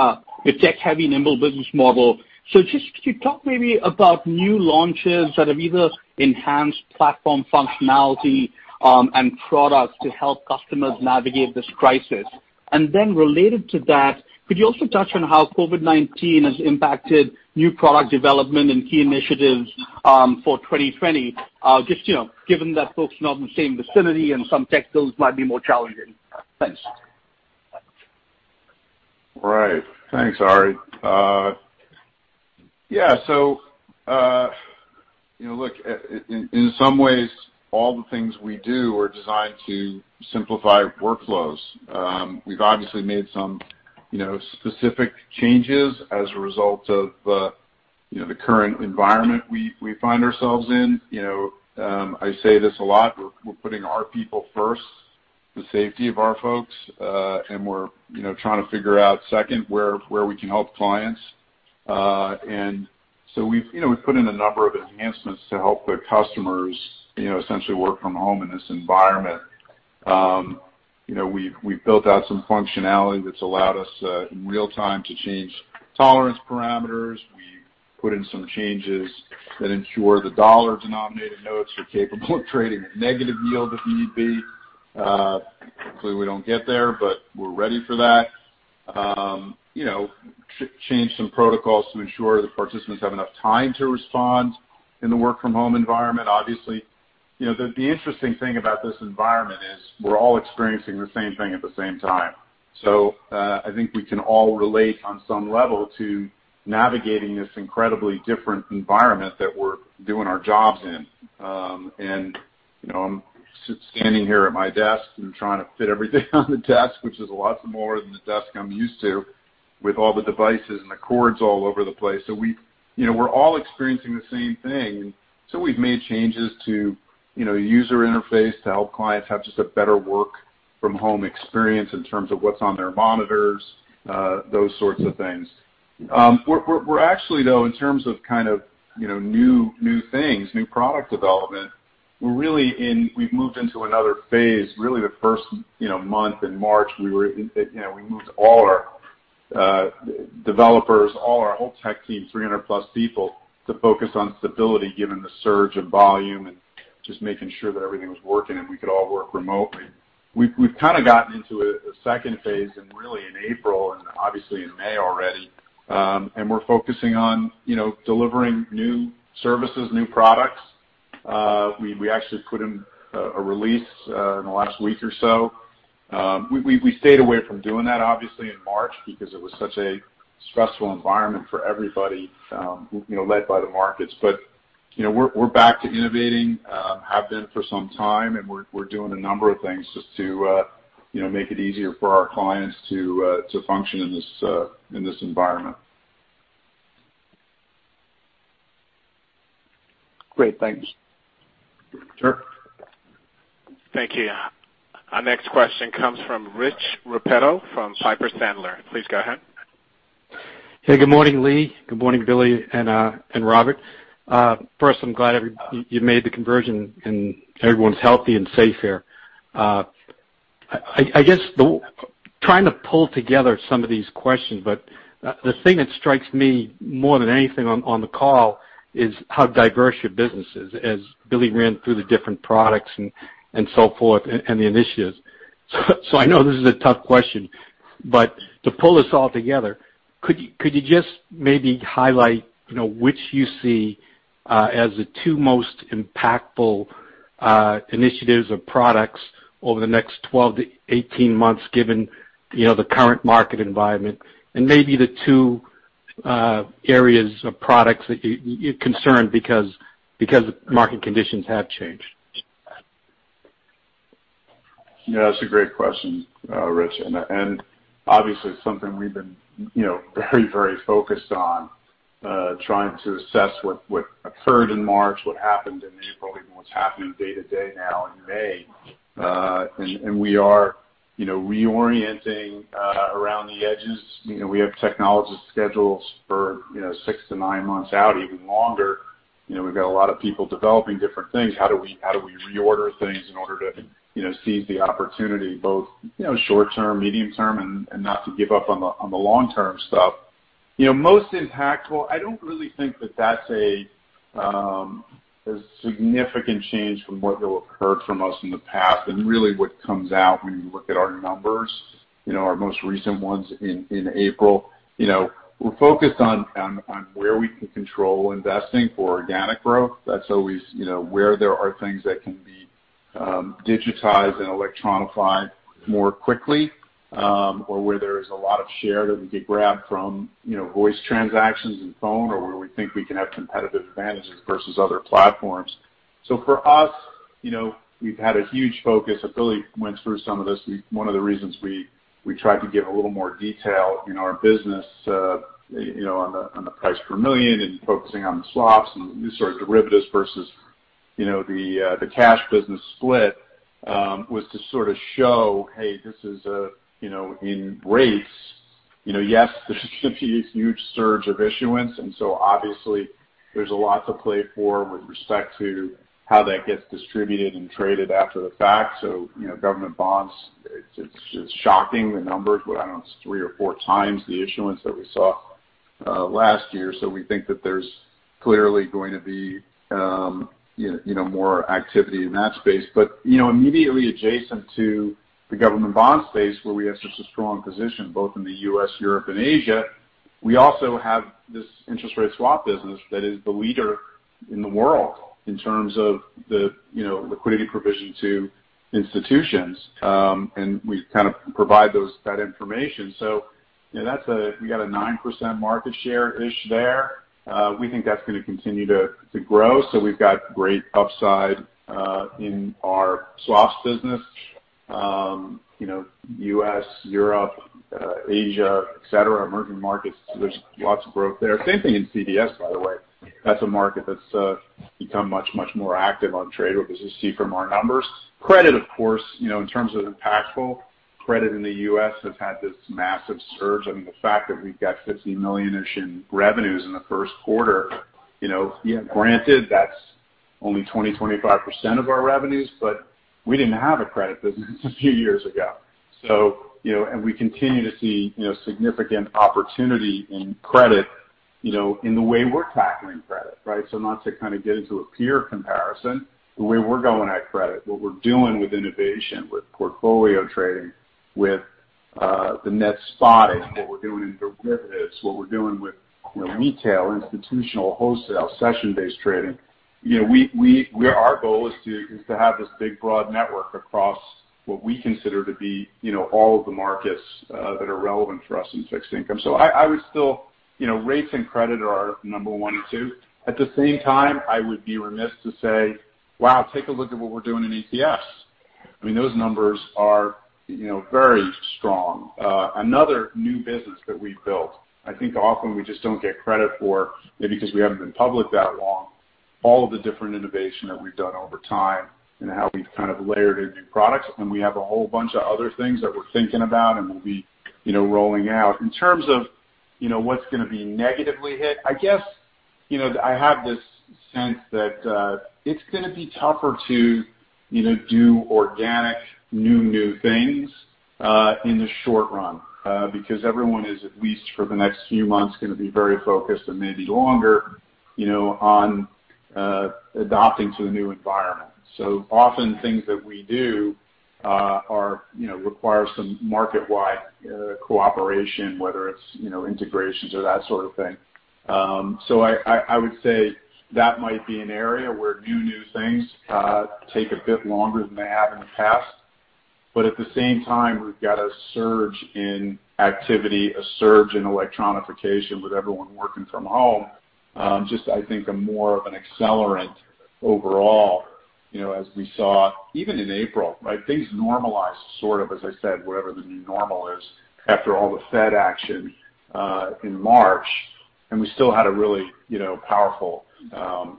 the tech-heavy, nimble business model. Just could you talk maybe about new launches that have either enhanced platform functionality and products to help customers navigate this crisis? Related to that, could you also touch on how COVID-19 has impacted new product development and key initiatives for 2020? Just given that folks are not in the same vicinity and some tech builds might be more challenging. Thanks. Right. Thanks, Ari. Yeah. Look, in some ways, all the things we do are designed to simplify workflows. We've obviously made some specific changes as a result of the current environment we find ourselves in. I say this a lot, we're putting our people first, the safety of our folks, and we're trying to figure out second, where we can help clients. We've put in a number of enhancements to help the customers essentially work from home in this environment. We've built out some functionality that's allowed us, in real time, to change tolerance parameters. We've put in some changes that ensure the dollar-denominated notes are capable of trading at negative yield if need be. Hopefully, we don't get there, but we're ready for that. Change some protocols to ensure that participants have enough time to respond in the work from home environment, obviously. The interesting thing about this environment is we're all experiencing the same thing at the same time. I think we can all relate on some level to navigating this incredibly different environment that we're doing our jobs in. I'm standing here at my desk and trying to fit everything on the desk, which is lots more than the desk I'm used to, with all the devices and the cords all over the place. We're all experiencing the same thing. We've made changes to user interface to help clients have just a better work from home experience in terms of what's on their monitors, those sorts of things. We're actually, though, in terms of kind of new things, new product development, we've moved into another phase. Really the first month in March, we moved all our developers, our whole tech team, 300+ people, to focus on stability given the surge of volume and just making sure that everything was working and we could all work remotely. We've kind of gotten into a second phase, and really in April, and obviously in May already, and we're focusing on delivering new services, new products. We actually put in a release in the last week or so. We stayed away from doing that, obviously, in March because it was such a stressful environment for everybody led by the markets. We're back to innovating, have been for some time, and we're doing a number of things just to make it easier for our clients to function in this environment. Great. Thanks. Sure. Thank you. Our next question comes from Rich Repetto from Piper Sandler. Please go ahead. Hey, good morning, Lee. Good morning, Billy and Robert. First, I'm glad you made the conversion, and everyone's healthy and safe here. I guess, trying to pull together some of these questions, but the thing that strikes me more than anything on the call is how diverse your business is, as Billy ran through the different products and so forth, and the initiatives. I know this is a tough question, but to pull this all together, could you just maybe highlight which you see as the two most impactful initiatives or products over the next 12-18 months, given the current market environment, and maybe the two areas of products that you're concerned because market conditions have changed? Yeah, that's a great question, Rich, and obviously something we've been very focused on, trying to assess what occurred in March, what happened in April, even what's happening day to day now in May. We are reorienting around the edges. We have technologists schedules for six to nine months out, even longer. We've got a lot of people developing different things. How do we reorder things in order to seize the opportunity, both short-term, medium-term, and not to give up on the long-term stuff. Most impactful, I don't really think that that's a significant change from what you'll hear from us in the past, and really what comes out when you look at our numbers, our most recent ones in April. We're focused on where we can control investing for organic growth. That's always where there are things that can be digitized and electronified more quickly. Where there's a lot of share that we could grab from voice transactions and phone, or where we think we can have competitive advantages versus other platforms. For us, we've had a huge focus. Billy went through some of this. One of the reasons we tried to give a little more detail in our business on the fee per million and focusing on the swaps and these sort of derivatives versus the cash business split, was to sort of show, hey, this is in rates. Yes, there's going to be this huge surge of issuance, obviously there's a lot to play for with respect to how that gets distributed and traded after the fact. Government bonds, it's just shocking the numbers. What, I don't know, it's three or four times the issuance that we saw last year. We think that there's clearly going to be more activity in that space. Immediately adjacent to the government bond space, where we have such a strong position both in the U.S., Europe, and Asia, we also have this interest rate swap business that is the leader in the world in terms of the liquidity provision to institutions. We kind of provide that information. We got a 9% market share-ish there. We think that's going to continue to grow. We've got great upside in our swaps business. U.S., Europe, Asia, et cetera, emerging markets, there's lots of growth there. Same thing in CDS, by the way. That's a market that's become much more active on Tradeweb, which you see from our numbers. Credit, of course, in terms of impactful, credit in the U.S. has had this massive surge. I mean, the fact that we've got $50 million-ish in revenues in the first quarter. Granted, that's only 20%-25% of our revenues, but we didn't have a credit business a few years ago. We continue to see significant opportunity in credit in the way we're tackling credit, right? Not to kind of get into a peer comparison. The way we're going at credit, what we're doing with innovation, with Portfolio Trading, with the Net Spotting, what we're doing in derivatives, what we're doing with retail, institutional, wholesale, Session Trading. Our goal is to have this big, broad network across what we consider to be all of the markets that are relevant for us in fixed income. Rates and credit are our number one and two. At the same time, I would be remiss to say, "Wow, take a look at what we're doing in ETFs." I mean, those numbers are very strong. Another new business that we've built. I think often we just don't get credit for, maybe because we haven't been public that long, all of the different innovation that we've done over time and how we've kind of layered in new products, and we have a whole bunch of other things that we're thinking about and we'll be rolling out. In terms of what's going to be negatively hit, I guess, I have this sense that it's going to be tougher to do organic new things in the short run. Because everyone is, at least for the next few months, going to be very focused, and maybe longer, on adapting to the new environment. Often things that we do require some market-wide cooperation, whether it's integrations or that sort of thing. I would say that might be an area where new things take a bit longer than they have in the past. At the same time, we've got a surge in activity, a surge in electronification with everyone working from home. Just, I think, more of an accelerant overall, as we saw even in April, right? Things normalized, sort of, as I said, whatever the new normal is, after all the Fed action in March, and we still had a really powerful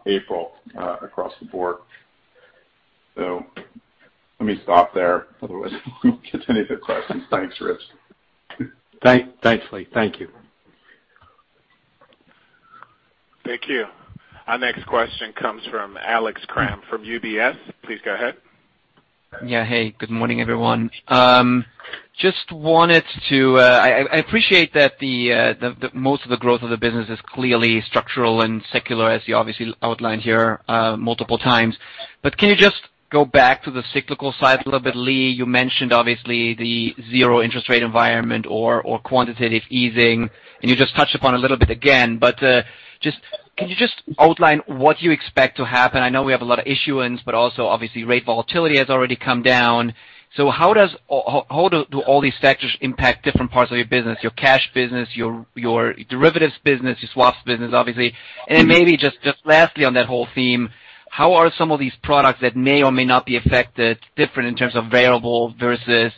April across the board. Let me stop there. Otherwise, we'll continue the questions. Thanks, Rich. Thanks, Lee. Thank you. Thank you. Our next question comes from Alex Kramm from UBS. Please go ahead. Hey, good morning, everyone. I appreciate that most of the growth of the business is clearly structural and secular, as you obviously outlined here multiple times. Can you just go back to the cyclical side a little bit, Lee Olesky? You mentioned, obviously, the zero interest rate environment or quantitative easing, and you just touched upon a little bit again, but can you just outline what you expect to happen? I know we have a lot of issuance, but also obviously rate volatility has already come down. How do all these factors impact different parts of your business, your cash business, your derivatives business, your swaps business, obviously. Then maybe just lastly on that whole theme, how are some of these products that may or may not be affected different in terms of variable versus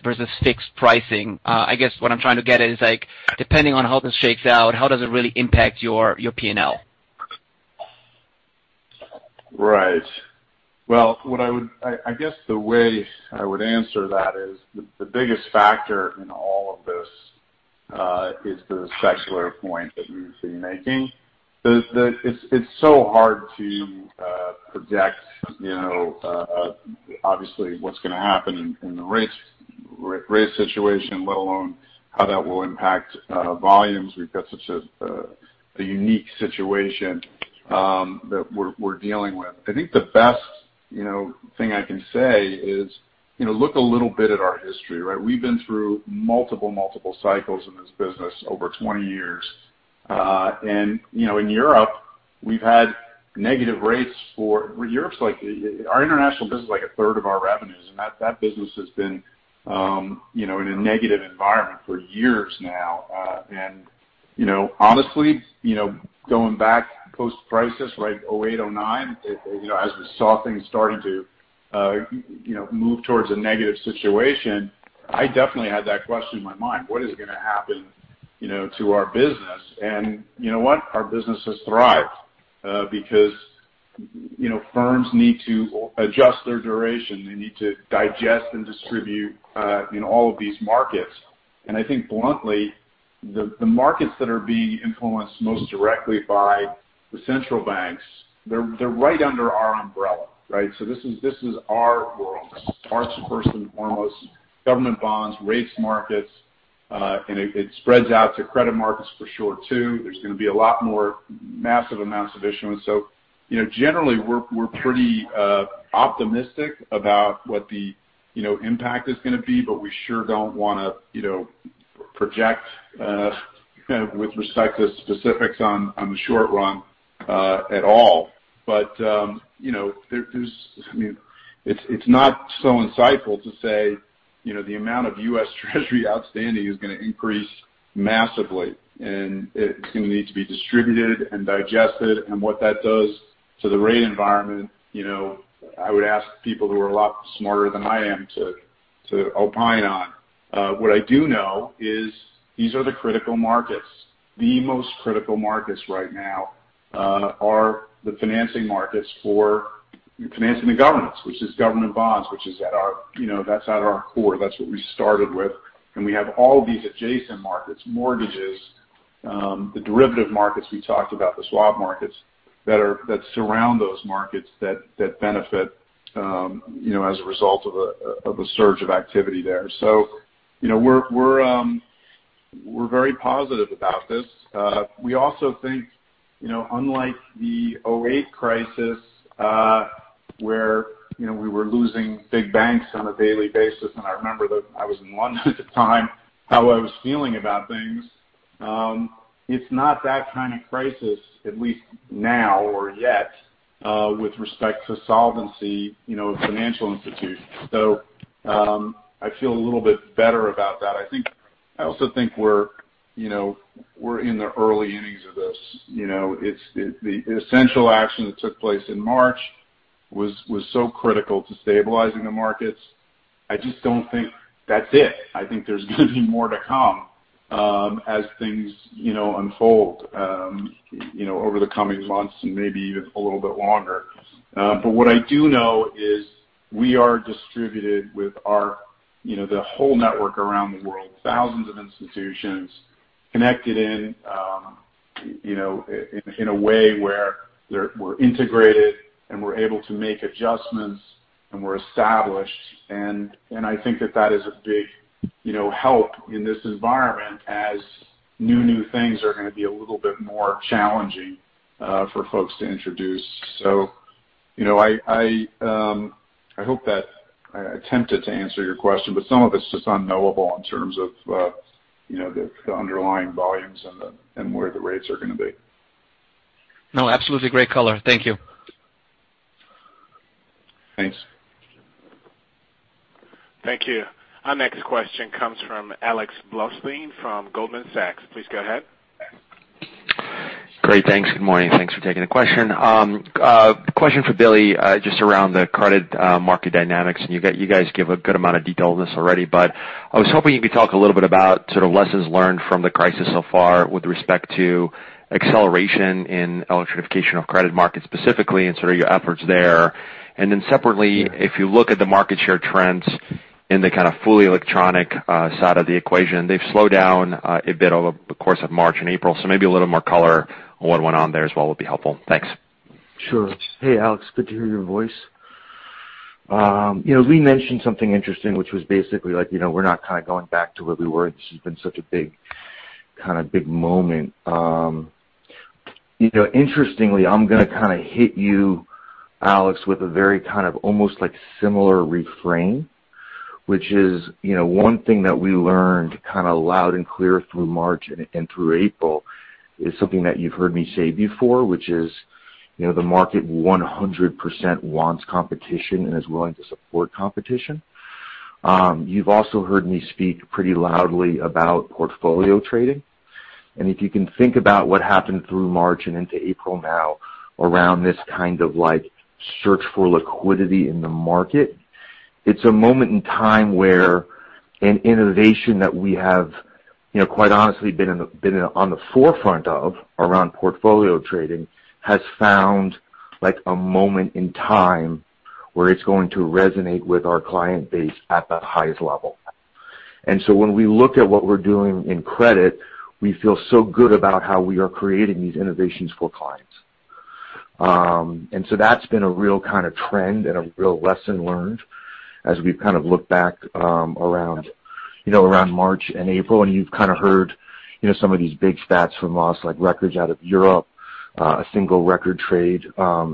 fixed pricing? I guess what I'm trying to get at is, depending on how this shakes out, how does it really impact your P&L? Right. Well, I guess the way I would answer that is, the biggest factor in all of this is the secular point that you've been making. It's so hard to project, obviously, what's going to happen in the rate situation, let alone how that will impact volumes. We've got such a unique situation that we're dealing with. I think the best thing I can say is look a little bit at our history, right? We've been through multiple cycles in this business over 20 years. In Europe, we've had negative rates. Europe's, like, our international business is 1/3 of our revenues, and that business has been in a negative environment for years now. Honestly, going back post-crisis, 2008, 2009, as we saw things starting to move towards a negative situation, I definitely had that question in my mind. What is going to happen to our business? You know what? Our business has thrived because firms need to adjust their duration. They need to digest and distribute in all of these markets. I think bluntly, the markets that are being influenced most directly by the central banks, they're right under our umbrella, right? This is our world. Ours first and foremost. Government bonds, rates markets, and it spreads out to credit markets for sure, too. There's going to be a lot more massive amounts of issuance. Generally, we're pretty optimistic about what the impact is going to be, but we sure don't want to project with respect to specifics on the short run at all. It's not so insightful to say the amount of U.S. Treasury outstanding is going to increase massively, and it's going to need to be distributed and digested, and what that does to the rate environment. I would ask people who are a lot smarter than I am to opine on. What I do know is these are the critical markets. The most critical markets right now are the financing markets for financing the governments, which is government bonds, that's at our core. That's what we started with. We have all these adjacent markets, mortgages, the derivative markets we talked about, the swap markets, that surround those markets that benefit as a result of a surge of activity there. We're very positive about this. We also think unlike the 2008 crisis, where we were losing big banks on a daily basis, and I remember I was in London at the time, how I was feeling about things. It's not that kind of crisis, at least now or yet, with respect to solvency of financial institutions. I feel a little bit better about that. I also think we're in the early innings of this. The essential action that took place in March was so critical to stabilizing the markets. I just don't think that's it. I think there's going to be more to come as things unfold over the coming months and maybe even a little bit longer. What I do know is we are distributed with the whole network around the world, thousands of institutions connected in a way where we're integrated, and we're able to make adjustments, and we're established. I think that is a big help in this environment as new things are going to be a little bit more challenging for folks to introduce. I hope that I attempted to answer your question, but some of it's just unknowable in terms of the underlying volumes and where the rates are going to be. No, absolutely great color. Thank you. Thanks. Thank you. Our next question comes from Alex Blostein from Goldman Sachs. Please go ahead. Great. Thanks. Good morning. Thanks for taking the question. Question for Billy, just around the credit market dynamics. You guys give a good amount of detail on this already, but I was hoping you could talk a little bit about sort of lessons learned from the crisis so far with respect to acceleration in electronification of credit markets specifically, and sort of your efforts there. Separately, if you look at the market share trends in the kind of fully electronic side of the equation, they've slowed down a bit over the course of March and April. Maybe a little more color on what went on there as well would be helpful. Thanks. Sure. Hey, Alex, good to hear your voice. Lee mentioned something interesting, which was basically like, we're not kind of going back to where we were. This has been such a big kind of big moment. Interestingly, I'm going to kind of hit you, Alex, with a very kind of almost similar refrain, which is one thing that we learned kind of loud and clear through March and through April is something that you've heard me say before, which is, the market 100% wants competition and is willing to support competition. You've also heard me speak pretty loudly about Portfolio Trading, if you can think about what happened through March and into April now around this kind of search for liquidity in the market, it's a moment in time where an innovation that we have quite honestly been on the forefront of around Portfolio Trading has found a moment in time where it's going to resonate with our client base at the highest level. When we look at what we're doing in credit, we feel so good about how we are creating these innovations for clients. That's been a real kind of trend and a real lesson learned as we've kind of looked back around March and April, and you've kind of heard some of these big stats from us, like records out of Europe, a single record trade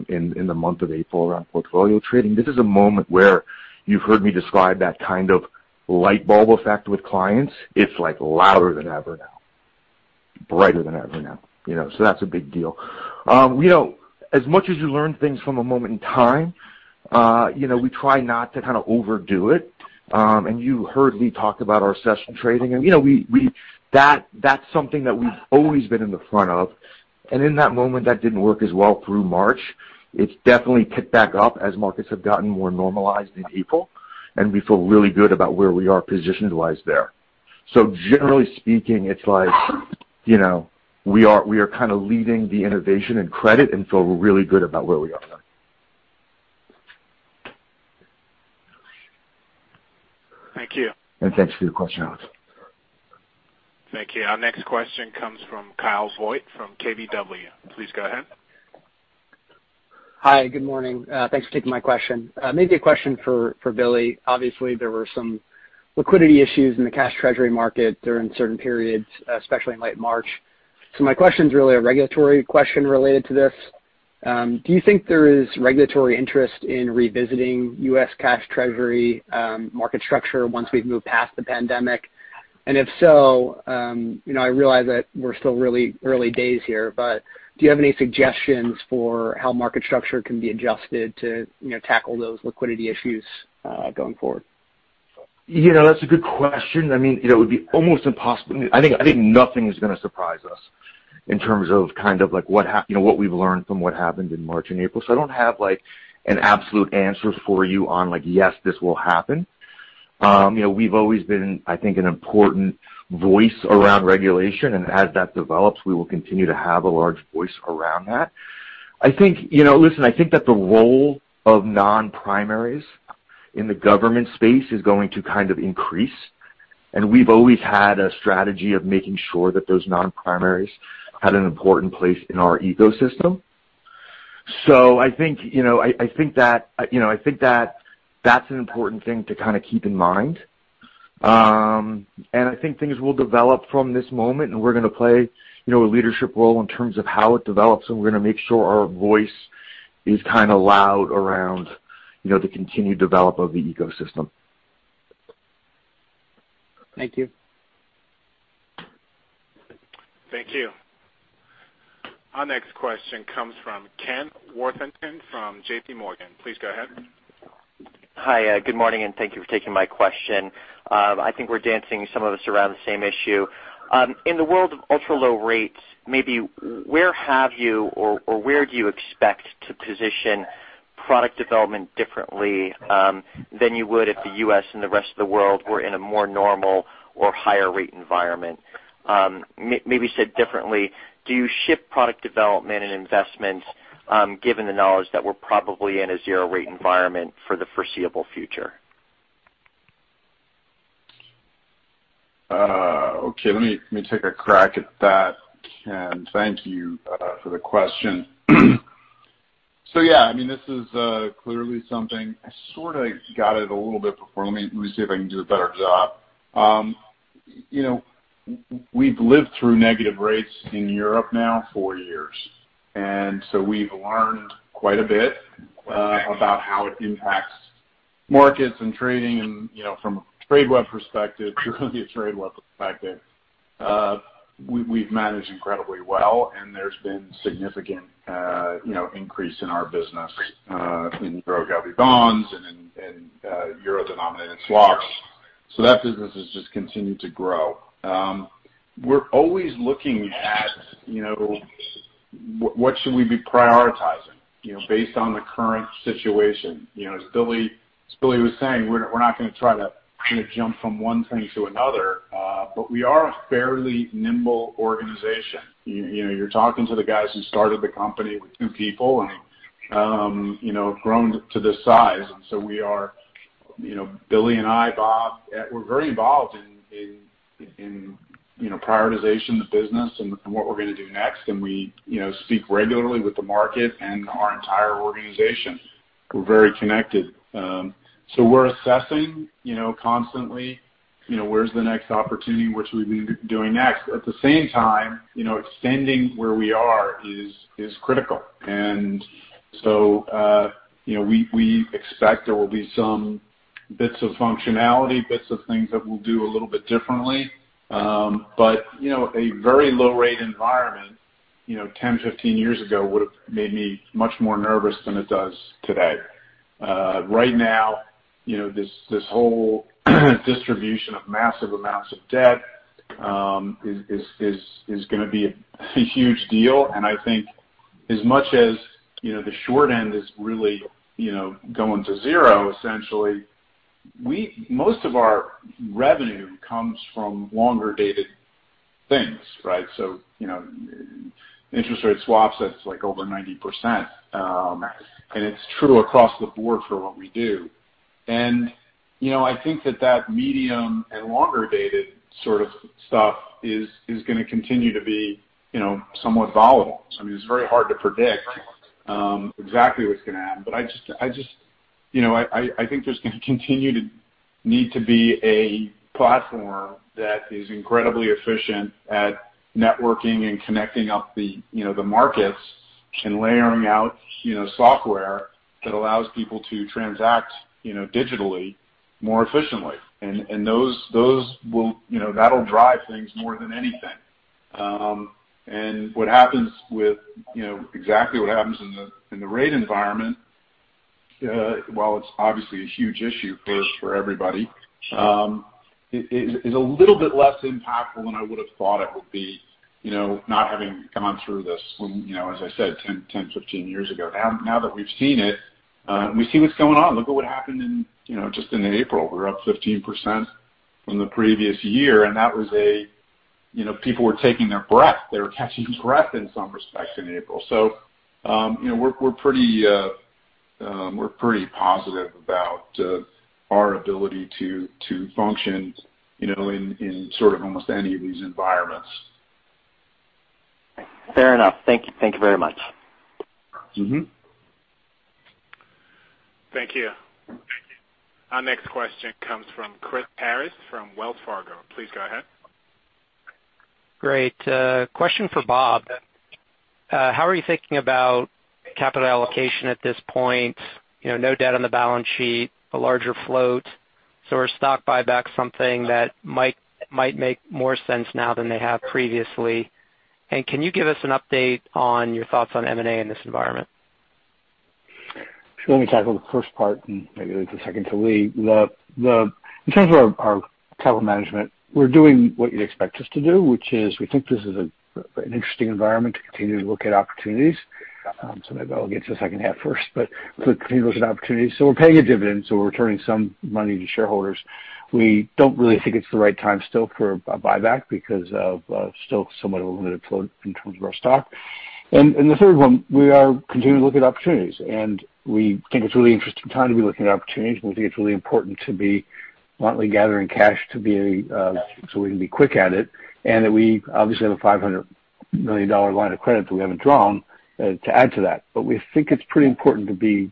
in the month of April around Portfolio Trading. This is a moment where you've heard me describe that kind of light bulb effect with clients. It's louder than ever now, brighter than ever now. That's a big deal. As much as you learn things from a moment in time, we try not to kind of overdo it. You heard Lee talk about our Session Trading, and that's something that we've always been in the front of. In that moment, that didn't work as well through March. It's definitely picked back up as markets have gotten more normalized in April, and we feel really good about where we are positioned wise there. Generally speaking, it's like we are kind of leading the innovation and credit and feel really good about where we are now. Thank you. Thanks for your question, Alex. Thank you. Our next question comes from Kyle Voigt from KBW. Please go ahead. Hi. Good morning. Thanks for taking my question. Maybe a question for Billy. Obviously, there were some liquidity issues in the cash Treasury market during certain periods, especially in late March. My question is really a regulatory question related to this. Do you think there is regulatory interest in revisiting U.S. cash Treasury market structure once we've moved past the pandemic? If so, I realize that we're still really early days here, do you have any suggestions for how market structure can be adjusted to tackle those liquidity issues going forward? That's a good question. It would be almost impossible, I think nothing is going to surprise us in terms of what we've learned from what happened in March and April. I don't have an absolute answer for you on, like, "Yes, this will happen." We've always been, I think, an important voice around regulation, and as that develops, we will continue to have a large voice around that. Listen, I think that the role of non-primaries in the government space is going to kind of increase, and we've always had a strategy of making sure that those non-primaries had an important place in our ecosystem. I think that's an important thing to kind of keep in mind. I think things will develop from this moment, and we're going to play a leadership role in terms of how it develops, and we're going to make sure our voice is kind of loud around the continued development of the ecosystem. Thank you. Thank you. Our next question comes from Ken Worthington from JP Morgan. Please go ahead. Hi, good morning, and thank you for taking my question. I think we're dancing, some of us, around the same issue. In the world of ultra low rates, maybe where have you or where do you expect to position product development differently than you would if the U.S. and the rest of the world were in a more normal or higher rate environment? Maybe said differently, do you shift product development and investment given the knowledge that we're probably in a zero-rate environment for the foreseeable future? Okay, let me take a crack at that, Ken. Thank you for the question. Yeah, this is clearly something I sort of got at a little bit before. Let me see if I can do a better job. We've lived through negative rates in Europe now for years, and so we've learned quite a bit about how it impacts Markets and trading from a Tradeweb perspective, truly a Tradeweb perspective, we've managed incredibly well, and there's been significant increase in our business in eurogov bonds and in euro-denominated swaps. That business has just continued to grow. We're always looking at what should we be prioritizing, based on the current situation. As Billy was saying, we're not going to try to jump from one thing to another. We are a fairly nimble organization. You're talking to the guys who started the company with two people and have grown to this size. We are, Billy and I, Bob, we're very involved in prioritization of the business and what we're going to do next. We speak regularly with the market and our entire organization. We're very connected. We're assessing constantly where's the next opportunity, what should we be doing next. At the same time, extending where we are is critical. We expect there will be some bits of functionality, bits of things that we'll do a little bit differently. A very low-rate environment 10-15 years ago would've made me much more nervous than it does today. Right now, this whole distribution of massive amounts of debt is going to be a huge deal. I think as much as the short end is really going to zero, essentially, most of our revenue comes from longer-dated things. Right? Interest Rate Swaps, that's over 90%. It's true across the board for what we do. I think that medium and longer-dated sort of stuff is going to continue to be somewhat volatile. It's very hard to predict exactly what's going to happen. I think there's going to continue to need to be a platform that is incredibly efficient at networking and connecting up the markets and layering out software that allows people to transact digitally, more efficiently. That'll drive things more than anything. What happens with exactly what happens in the rate environment, while it's obviously a huge issue for everybody, is a little bit less impactful than I would've thought it would be, not having come through this when, as I said, 10-15 years ago now. Now that we've seen it, and we see what's going on. Look at what happened just in April. We were up 15% from the previous year, and people were taking their breath. They were catching breath in some respects in April. We're pretty positive about our ability to function in sort of almost any of these environments. Fair enough. Thank you very much. Thank you. Our next question comes from Chris Harris from Wells Fargo. Please go ahead. Great. Question for Bob. How are you thinking about capital allocation at this point? No debt on the balance sheet, a larger float. Are stock buybacks something that might make more sense now than they have previously? Can you give us an update on your thoughts on M&A in this environment? Let me tackle the first part and maybe leave the second to Lee. In terms of our capital management, we're doing what you'd expect us to do, which is we think this is an interesting environment to continue to look at opportunities. Maybe I'll get to the second half first. We'll continue to look at opportunities. We're paying a dividend, so we're returning some money to shareholders. We don't really think it's the right time still for a buyback because of still somewhat of a limited float in terms of our stock. The third one, we are continuing to look at opportunities, and we think it's a really interesting time to be looking at opportunities, and we think it's really important to be bluntly gathering cash so we can be quick at it. That we obviously have a $500 million line of credit that we haven't drawn to add to that. We think it's pretty important to be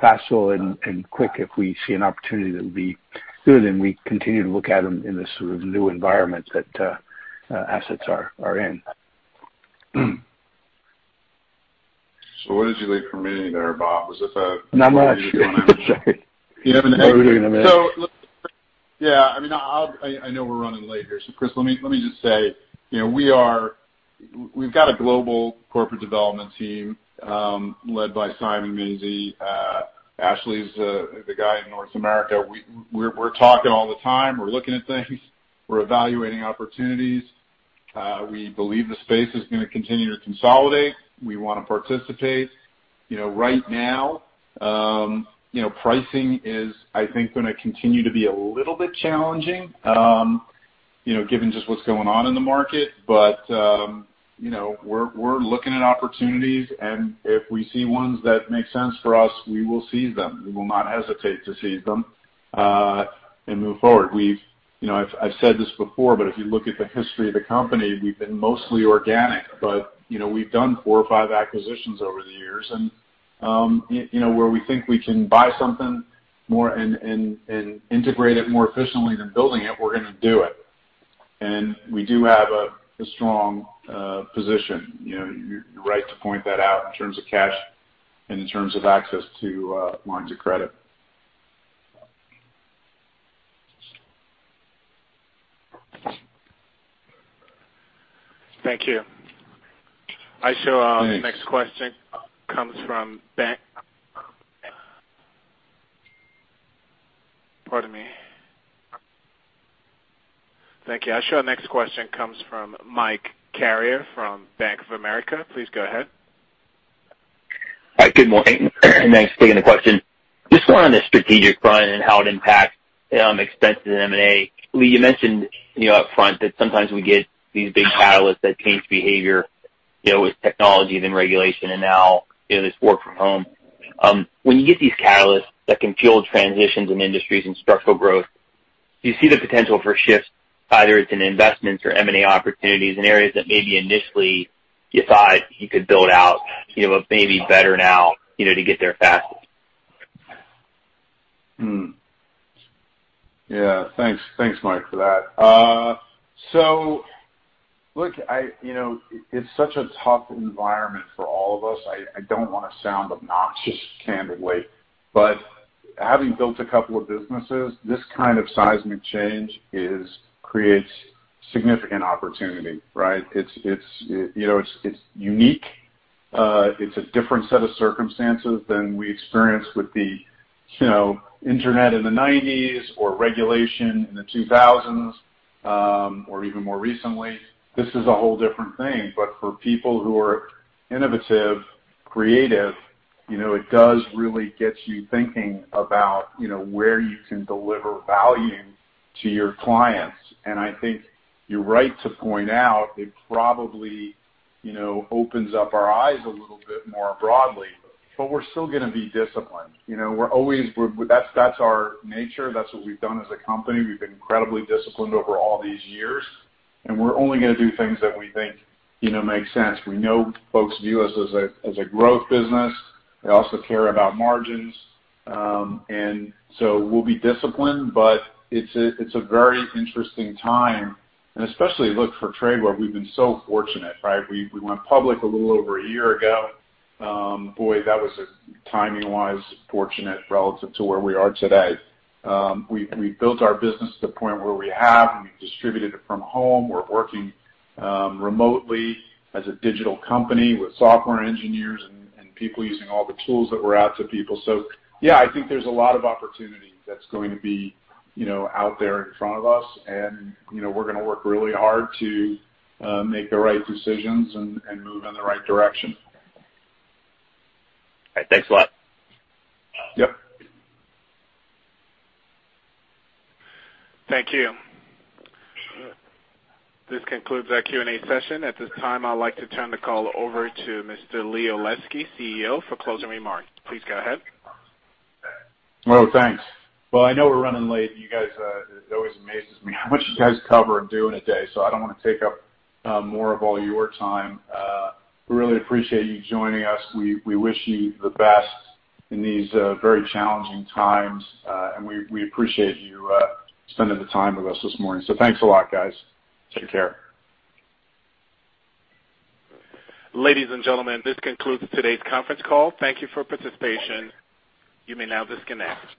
facile and quick if we see an opportunity that would be good, and we continue to look at them in this sort of new environment that assets are in. What did you leave for me there, Bob? Was this? Not much. You didn't have an M&A? I wasn't going to mention. Yeah. I know we're running late here. Chris, let me just say, we've got a global corporate development team, led by Simon Maisey. Ashley's the guy in North America. We're talking all the time. We're looking at things. We're evaluating opportunities. We believe the space is going to continue to consolidate. We want to participate. Right now, pricing is, I think, going to continue to be a little bit challenging, given just what's going on in the market. We're looking at opportunities, and if we see ones that make sense for us, we will seize them. We will not hesitate to seize them, and move forward. I've said this before, but if you look at the history of the company, we've been mostly organic. We've done four or five acquisitions over the years. Where we think we can buy something and integrate it more efficiently than building it, we're going to do it. We do have a strong position. You're right to point that out in terms of cash and in terms of access to lines of credit. Thank you. Thanks. Our next question comes from Mike Carrier from Bank of America. Please go ahead. Hi, good morning. Thanks for taking the question. Just one on the strategic front and how it impacts expenses in M&A. Lee, you mentioned upfront that sometimes we get these big catalysts that change behavior with technology, regulation, and now this work from home. When you get these catalysts that can fuel transitions in industries and structural growth, do you see the potential for shifts, either it's in investments or M&A opportunities in areas that maybe initially you thought you could build out, but maybe better now to get there faster? Yeah. Thanks, Mike, for that. Look, it's such a tough environment for all of us. I don't want to sound obnoxious, candidly. Having built a couple of businesses, this kind of seismic change creates significant opportunity, right? It's unique. It's a different set of circumstances than we experienced with the internet in the 1990s or regulation in the 2000s, or even more recently. This is a whole different thing. For people who are innovative, creative, it does really get you thinking about where you can deliver value to your clients. I think you're right to point out it probably opens up our eyes a little bit more broadly. We're still going to be disciplined. That's our nature. That's what we've done as a company. We've been incredibly disciplined over all these years, and we're only going to do things that we think make sense. We know folks view us as a growth business. They also care about margins. We'll be disciplined, but it's a very interesting time, and especially, look, for Tradeweb, we've been so fortunate, right? We went public a little over a year ago. Boy, that was timing-wise fortunate relative to where we are today. We've built our business to the point where we have and we've distributed it from home. We're working remotely as a digital company with software engineers and people using all the tools that we're out to people. Yeah, I think there's a lot of opportunity that's going to be out there in front of us, and we're going to work really hard to make the right decisions and move in the right direction. All right. Thanks a lot. Yep. Thank you. This concludes our Q&A session. At this time, I'd like to turn the call over to Mr. Lee Olesky, CEO, for closing remarks. Please go ahead. Oh, thanks. Well, I know we're running late, you guys. It always amazes me how much you guys cover and do in a day, so I don't want to take up more of all your time. We really appreciate you joining us. We wish you the best in these very challenging times. We appreciate you spending the time with us this morning. Thanks a lot, guys. Take care. Ladies and gentlemen, this concludes today's conference call. Thank you for participation. You may now disconnect.